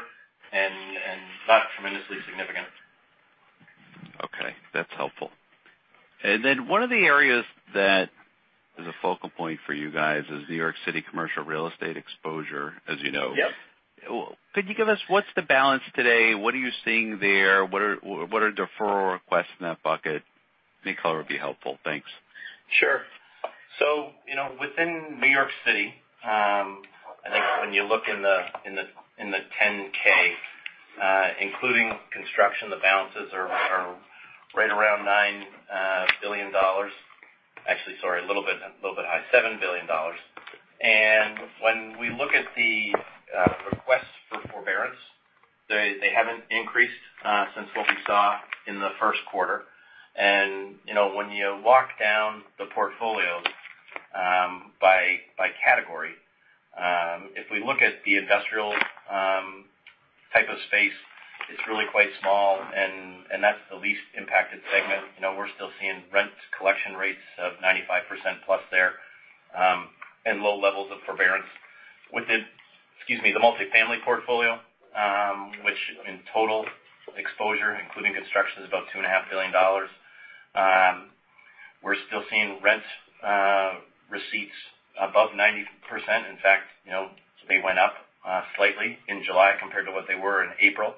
Speaker 3: and not tremendously significant.
Speaker 7: Okay. That's helpful. One of the areas that is a focal point for you guys is New York City commercial real estate exposure, as you know.
Speaker 3: Yes.
Speaker 7: Could you give us what's the balance today? What are you seeing there? What are the referral requests in that bucket? Any color would be helpful. Thanks.
Speaker 3: Sure. Within New York City, I think when you look in the 10-K, including construction, the balances are right around $9 billion. Actually, sorry, a little bit high, $7 billion. When we look at the requests for forbearance, they haven't increased since what we saw in the first quarter. When you lock down the portfolios by category, if we look at the industrial type of space, it's really quite small, and that's the least impacted segment. We're still seeing rent collection rates of 95% plus there, and low levels of forbearance. Within, excuse me, the multifamily portfolio, which in total exposure, including construction, is about $2.5 billion. We're still seeing rent receipts above 90%. In fact, they went up slightly in July compared to what they were in April.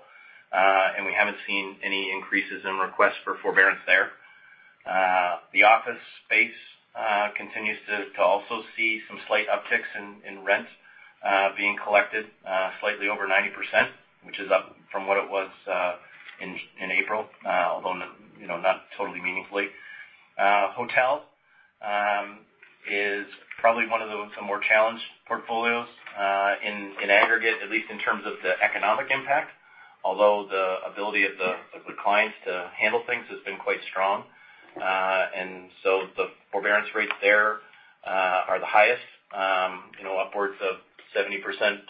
Speaker 3: We haven't seen any increases in requests for forbearance there. The office space continues to also see some slight upticks in rent being collected slightly over 90%, which is up from what it was in April, although not totally meaningfully. Hotel is probably one of the more challenged portfolios in aggregate, at least in terms of the economic impact, although the ability of the clients to handle things has been quite strong. The forbearance rates there are the highest, upwards of 70%+.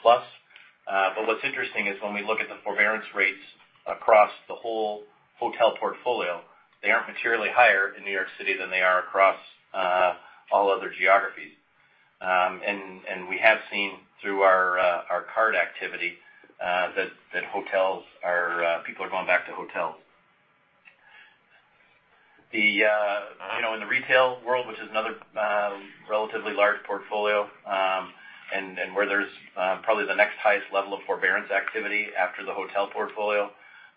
Speaker 3: What's interesting is when we look at the forbearance rates across the whole hotel portfolio, they aren't materially higher in New York City than they are across all other geographies. We have seen through our card activity that people are going back to hotels. In the retail world, which is another relatively large portfolio, where there's probably the next highest level of forbearance activity after the hotel portfolio,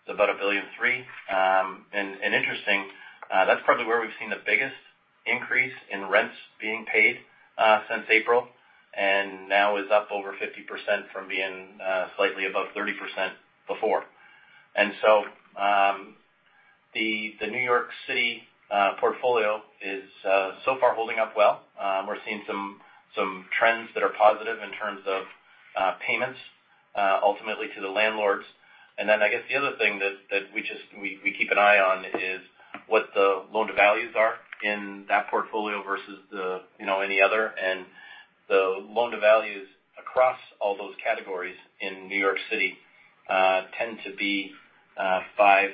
Speaker 3: it's about $1.3 billion. Interesting, that's probably where we've seen the biggest increase in rents being paid since April, Now is up over 50% from being slightly above 30% before. The New York City portfolio is so far holding up well. We're seeing some trends that are positive in terms of payments ultimately to the landlords. Then I guess the other thing that we keep an eye on is what the loan to values are in that portfolio versus any other. The loan to values across all those categories in New York City tend to be 5-10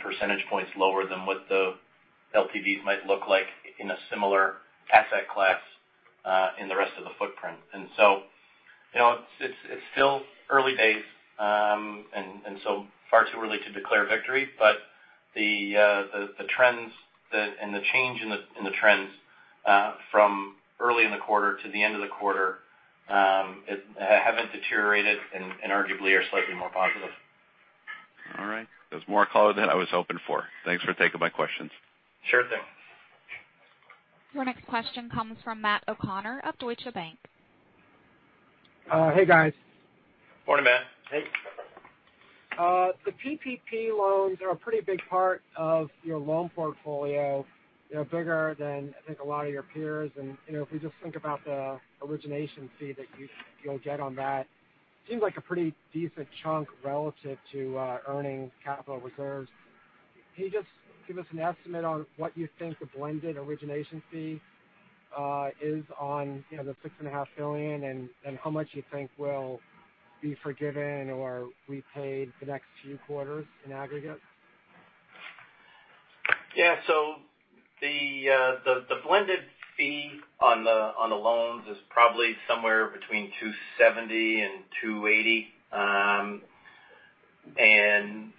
Speaker 3: percentage points lower than what the LTVs might look like in a similar asset class in the rest of the footprint. It's still early days, and so far too early to declare victory. The trends and the change in the trends from early in the quarter to the end of the quarter haven't deteriorated and arguably are slightly more positive.
Speaker 7: All right. That's more color than I was hoping for. Thanks for taking my questions.
Speaker 3: Sure thing.
Speaker 1: Your next question comes from Matt O'Connor of Deutsche Bank.
Speaker 8: Hey, guys.
Speaker 3: Morning, Matt.
Speaker 8: Hey. The PPP loans are a pretty big part of your loan portfolio. They're bigger than I think a lot of your peers. If we just think about the origination fee that you'll get on that, seems like a pretty decent chunk relative to earnings, capital reserves. Can you just give us an estimate on what you think the blended origination fee is on the $6.5 billion, and how much you think will be forgiven or repaid the next few quarters in aggregate?
Speaker 3: Yeah. The blended fee on the loans is probably somewhere between 270-280 basis points.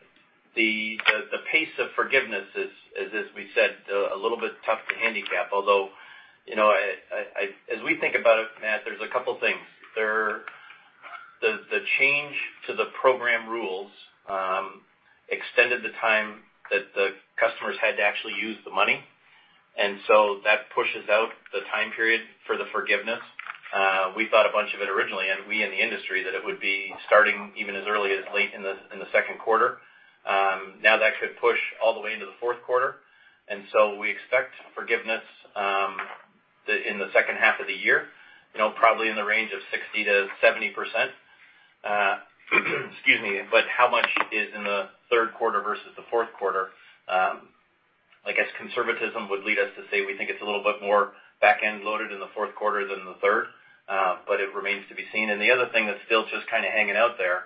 Speaker 3: The pace of forgiveness is, as we said, a little bit tough to handicap, although as we think about it, Matt, there's a couple things. The change to the program rules extended the time that the customers had to actually use the money. That pushes out the time period for the forgiveness. We thought a bunch of it originally, and we in the industry, that it would be starting even as early as late in the second quarter. That could push all the way into the fourth quarter. We expect forgiveness in the second half of the year, probably in the range of 60%-70%. Excuse me. How much is in the third quarter versus the fourth quarter? I guess conservatism would lead us to say we think it's a little bit more back-end loaded in the fourth quarter than the third. It remains to be seen. The other thing that's still just kind of hanging out there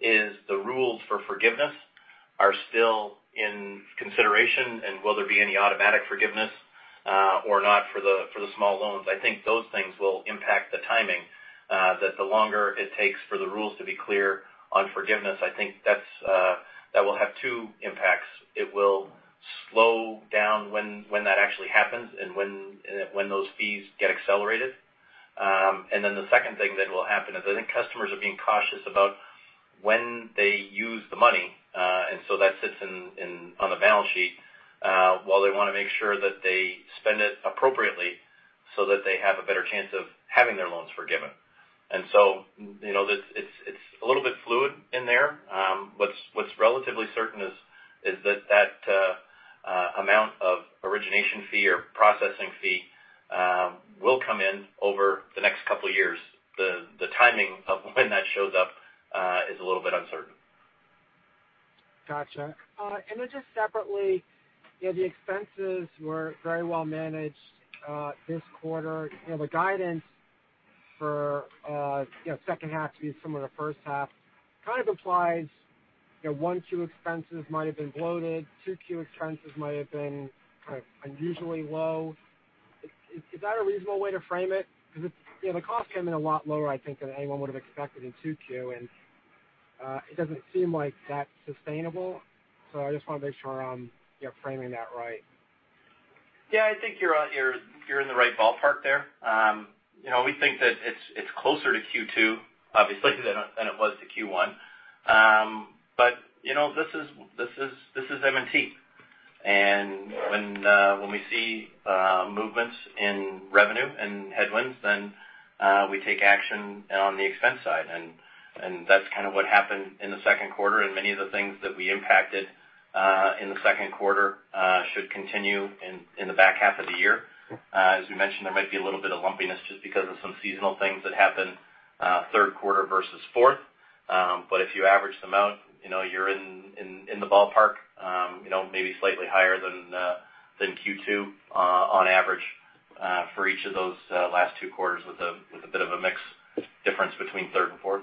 Speaker 3: is the rules for forgiveness are still in consideration, and will there be any automatic forgiveness or not for the small loans? I think those things will impact the timing, that the longer it takes for the rules to be clear on forgiveness, I think that will have two impacts. It will slow down when that actually happens and when those fees get accelerated. Then the second thing that will happen is I think customers are being cautious about when they use the money. That sits on the balance sheet, while they want to make sure that they spend it appropriately so that they have a better chance of having their loans forgiven. It's a little bit fluid in there. What's relatively certain is that amount of origination fee or processing fee will come in over the next couple of years. The timing of when that shows up is a little bit uncertain.
Speaker 8: Gotcha. Just separately, the expenses were very well managed this quarter. The guidance for second half to be similar to first half kind of implies 1Q expenses might have been bloated, 2Q expenses might have been kind of unusually low. Is that a reasonable way to frame it? The cost came in a lot lower, I think, than anyone would have expected in 2Q, and it doesn't seem like that's sustainable. I just want to make sure I'm framing that right.
Speaker 3: Yeah, I think you're in the right ballpark there. We think that it's closer to Q2, obviously, than it was to Q1. This is M&T, and when we see movements in revenue and headwinds, then we take action on the expense side. That's kind of what happened in the second quarter. Many of the things that we impacted in the second quarter should continue in the back half of the year. As we mentioned, there might be a little bit of lumpiness just because of some seasonal things that happen third quarter versus fourth. If you average them out, you're in the ballpark. Maybe slightly higher than Q2 on average for each of those last two quarters with a bit of a mix difference between third and fourth.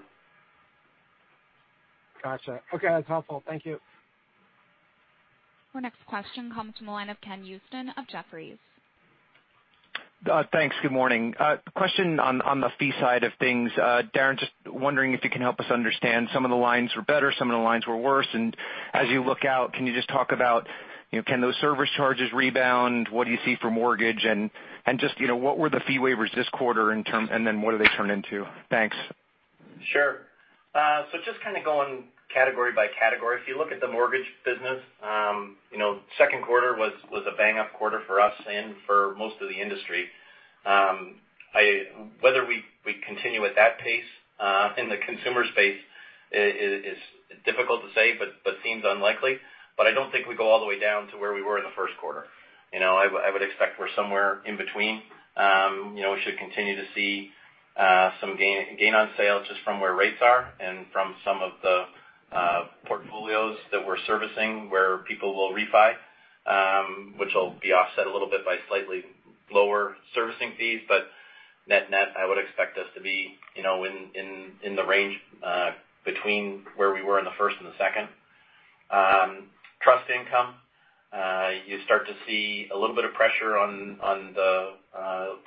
Speaker 8: Gotcha. Okay. That's helpful. Thank you.
Speaker 1: Our next question comes from the line of Ken Usdin of Jefferies.
Speaker 9: Thanks. Good morning. Question on the fee side of things. Darren, just wondering if you can help us understand some of the lines were better, some of the lines were worse. As you look out, can you just talk about can those service charges rebound? What do you see for mortgage and just what were the fee waivers this quarter and then what do they turn into? Thanks.
Speaker 3: Sure. Just kind of going category by category. If you look at the mortgage business, second quarter was a bang-up quarter for us and for most of the industry. Whether we continue at that pace in the consumer space is difficult to say, but seems unlikely. I don't think we go all the way down to where we were in the first quarter. I would expect we're somewhere in between. We should continue to see some gain on sales just from where rates are and from some of the portfolios that we're servicing where people will refi, which will be offset a little bit by slightly lower servicing fees. Net-net, I would expect us to be in the range between where we were in the first and the second. Trust income, you start to see a little bit of pressure on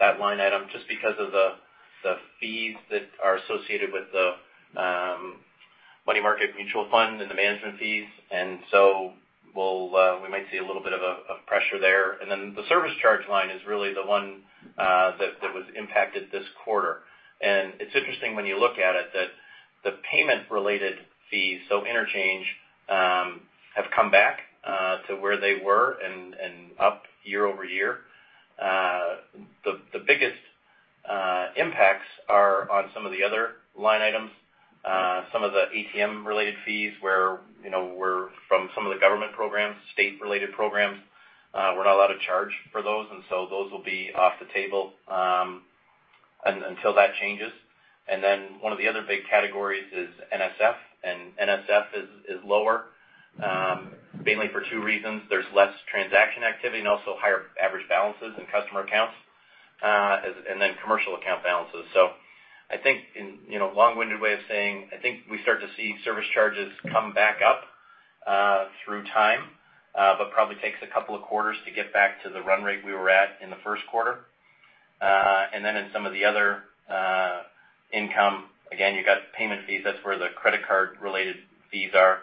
Speaker 3: that line item just because of the fees that are associated with the money market mutual fund and the management fees. We might see a little bit of pressure there. The service charge line is really the one that was impacted this quarter. It's interesting when you look at it that the payment related fees, so interchange, have come back to where they were and up year-over-year. The biggest impacts are on some of the other line items. Some of the ATM related fees where from some of the government programs, state related programs, we're not allowed to charge for those will be off the table until that changes. One of the other big categories is NSF is lower, mainly for two reasons. There's less transaction activity and also higher average balances in customer accounts, and then commercial account balances. I think, long-winded way of saying, I think we start to see service charges come back up through time, but probably takes a couple of quarters to get back to the run rate we were at in the first quarter. In some of the other income, again, you got payment fees. That's where the credit card related fees are,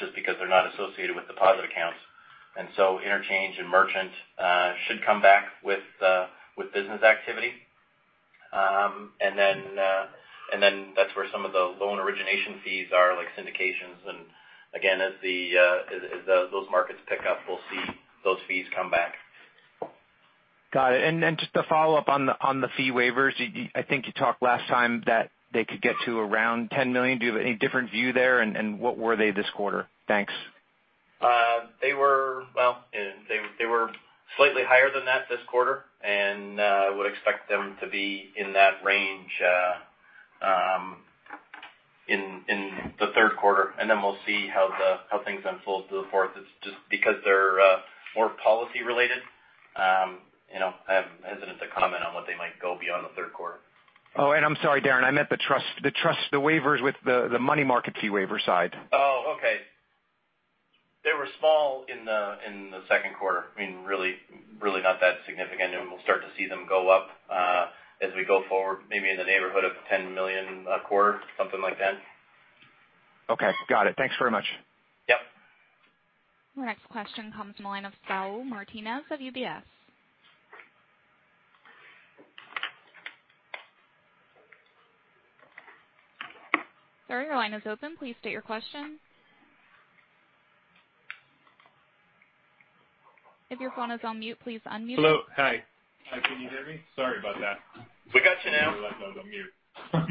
Speaker 3: just because they're not associated with deposit accounts. Interchange and merchant should come back with business activity. That's where some of the loan origination fees are like syndications. Again, as those markets pick up, we'll see those fees come back.
Speaker 9: Got it. Just to follow up on the fee waivers. I think you talked last time that they could get to around $10 million. Do you have any different view there? What were they this quarter? Thanks.
Speaker 3: They were slightly higher than that this quarter, and I would expect them to be in that range in the third quarter, and then we'll see how things unfold to the fourth. It's just because they're more policy related. I'm hesitant to comment on what they might go beyond the third quarter.
Speaker 9: Oh, I'm sorry, Darren, I meant the waivers with the money market fee waiver side.
Speaker 3: Oh, okay. They were small in the second quarter. Really not that significant. We'll start to see them go up as we go forward, maybe in the neighborhood of $10 million a quarter, something like that.
Speaker 9: Okay. Got it. Thanks very much.
Speaker 3: Yep.
Speaker 1: Our next question comes from the line of Saul Martinez of UBS. Sir, your line is open. Please state your question. If your phone is on mute, please unmute.
Speaker 10: Hello. Hi. Hi, can you hear me? Sorry about that.
Speaker 3: We got you now.
Speaker 10: I left on mute.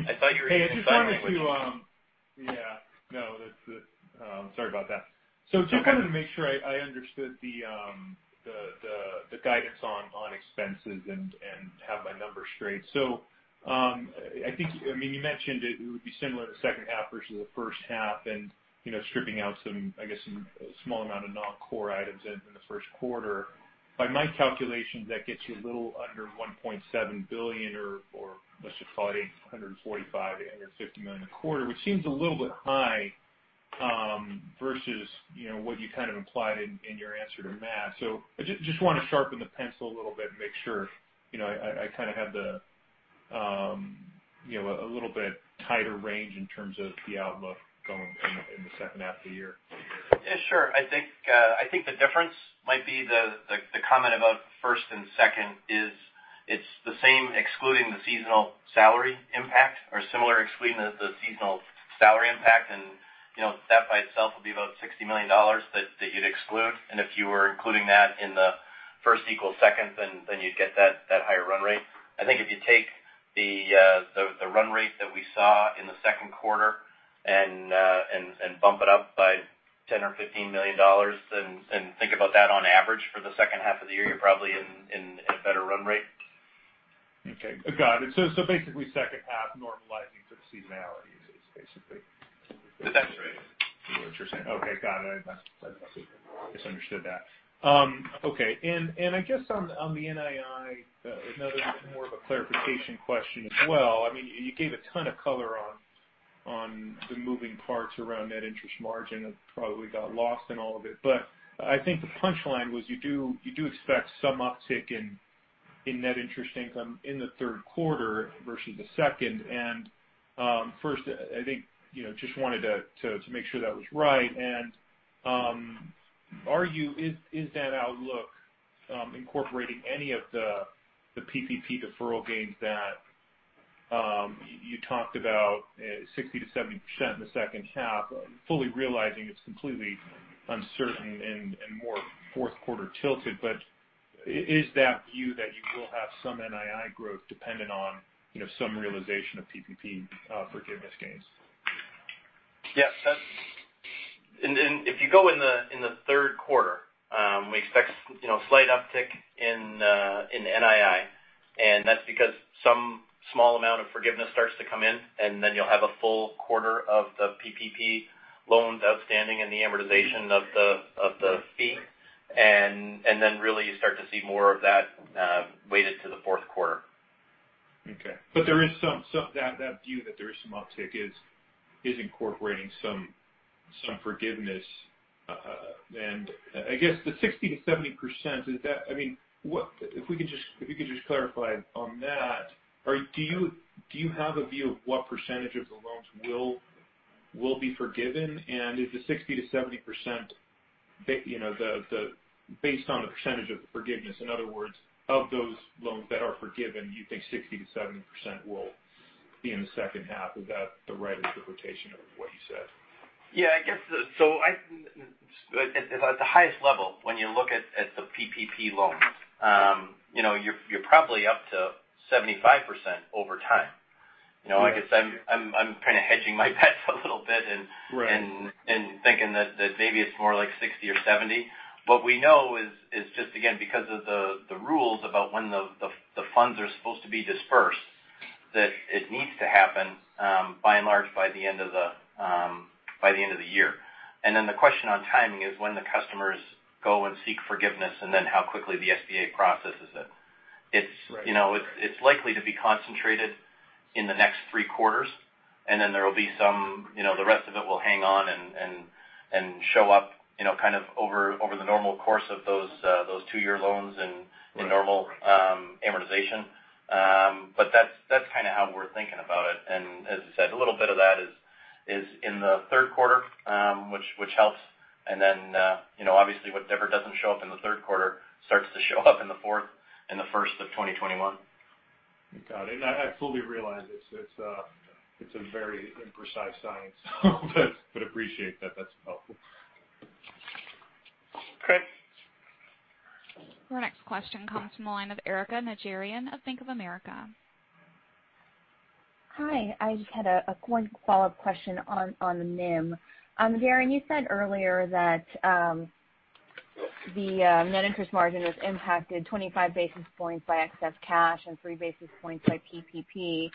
Speaker 3: I thought you were in-
Speaker 10: Hey, yeah, no. Sorry about that.
Speaker 3: Okay.
Speaker 10: Just kind of to make sure I understood the guidance on expenses and have my numbers straight. I think you mentioned it would be similar in the second half versus the first half and stripping out some, I guess, a small amount of non-core items in the first quarter. By my calculations, that gets you a little under $1.7 billion or let's just call it $845 million-$850 million a quarter, which seems a little bit high, versus what you kind of implied in your answer to Matt. I just want to sharpen the pencil a little bit and make sure I kind of have the little bit tighter range in terms of the outlook going in the second half of the year.
Speaker 3: Yeah, sure. I think the difference might be the comment about first and second is it's the same excluding the seasonal salary impact or similar excluding the seasonal salary impact and that by itself will be about $60 million that you'd exclude. If you were including that in the first equal second, then you'd get that higher run rate. I think if you take the run rate that we saw in the second quarter and bump it up by $10 or $15 million and think about that on average for the second half of the year, you're probably in a better run rate.
Speaker 10: Okay, got it. Basically, second half normalizing for the seasonality.
Speaker 3: That's right. What you're saying.
Speaker 10: Okay, got it. I misunderstood that. Okay. I guess on the NII, another more of a clarification question as well. You gave a ton of color on the moving parts around net interest margin. I probably got lost in all of it, but I think the punchline was you do expect some uptick in net interest income in the third quarter versus the second and first, I think, just wanted to make sure that was right. Is that outlook incorporating any of the PPP deferral gains that you talked about 60%-70% in the second half? Fully realizing it's completely uncertain and more fourth quarter tilted, is that view that you will have some NII growth dependent on some realization of PPP forgiveness gains?
Speaker 3: Yeah. If you go in the third quarter, we expect slight uptick in NII, that's because some small amount of forgiveness starts to come in, then you'll have a full quarter of the PPP loans outstanding and the amortization of the fee. Really you start to see more of that weighted to the fourth quarter.
Speaker 10: Okay. That view that there is some uptick is incorporating some forgiveness. I guess the 60%-70%, if we could just clarify on that. Do you have a view of what percentage of the loans will be forgiven? Is the 60%-70%, based on the percentage of the forgiveness, in other words, of those loans that are forgiven, you think 60%-70% will be in the second half? Is that the right interpretation of what you said?
Speaker 3: Yeah. At the highest level, when you look at the PPP loans, you're probably up to 75% over time. I guess I'm kind of hedging my bets a little bit.
Speaker 10: Right.
Speaker 3: Thinking that maybe it's more like 60% or 70%. What we know is just, again, because of the rules about when the funds are supposed to be disbursed, that it needs to happen, by and large, by the end of the year. The question on timing is when the customers go and seek forgiveness, and then how quickly the SBA processes it.
Speaker 10: Right.
Speaker 3: It's likely to be concentrated in the next three quarters, and then the rest of it will hang on and show up kind of over the normal course of those two-year loans and normal amortization. That's kind of how we're thinking about it. As I said, a little bit of that is in the third quarter, which helps. Obviously, whatever doesn't show up in the third quarter starts to show up in the fourth and the first of 2021.
Speaker 10: Got it. I absolutely realize it's a very imprecise science. Appreciate that. That's helpful.
Speaker 3: Okay.
Speaker 1: Our next question comes from the line of Erika Najarian of Bank of America.
Speaker 11: Hi. I just had a quick follow-up question on NIM. Darren, you said earlier that the net interest margin was impacted 25 basis points by excess cash and three basis points by PPP.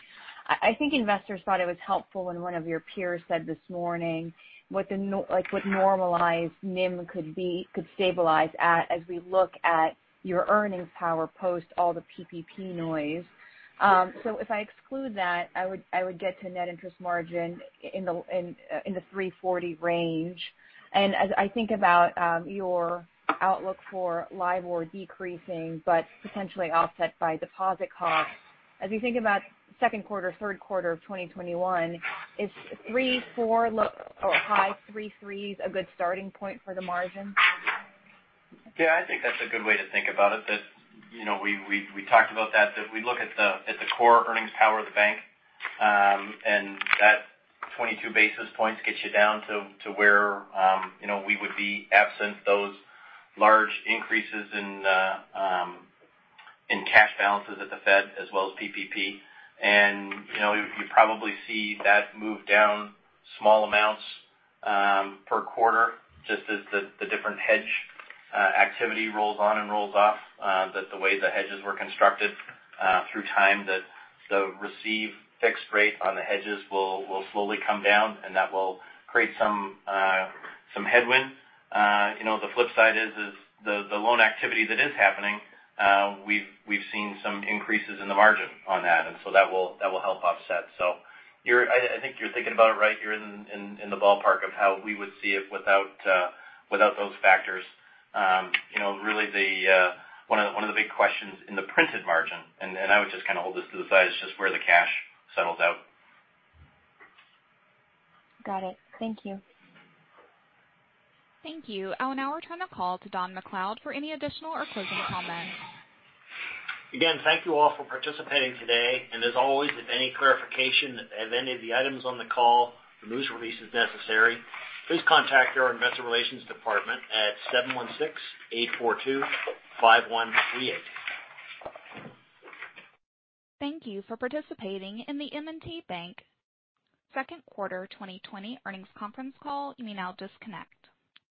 Speaker 11: I think investors thought it was helpful when one of your peers said this morning what normalized NIM could stabilize at as we look at your earnings power post all the PPP noise. If I exclude that, I would get to net interest margin in the 340 range. As I think about your outlook for LIBOR decreasing but potentially offset by deposit costs, as you think about second quarter, third quarter of 2021, is high 3.3s a good starting point for the margin?
Speaker 3: Yeah, I think that's a good way to think about it. We talked about that. If we look at the core earnings power of the bank, that 22 basis points gets you down to where we would be absent those large increases in cash balances at the Fed as well as PPP. You'd probably see that move down small amounts per quarter just as the different hedge activity rolls on and rolls off. That the way the hedges were constructed through time, that the received fixed rate on the hedges will slowly come down, that will create some headwind. The flip side is the loan activity that is happening, we've seen some increases in the margin on that. That will help offset. I think you're thinking about it right. You're in the ballpark of how we would see it without those factors. One of the big questions in the printed margin, and I would just kind of hold this to the side, is just where the cash settles out.
Speaker 11: Got it. Thank you.
Speaker 1: Thank you. I will now return the call to Don MacLeod for any additional or closing comments.
Speaker 2: Again, thank you all for participating today. As always, if any clarification of any of the items on the call or news release is necessary, please contact our investor relations department at 716-842-5138.
Speaker 1: Thank you for participating in the M&T Bank second quarter 2020 earnings conference call. You may now disconnect.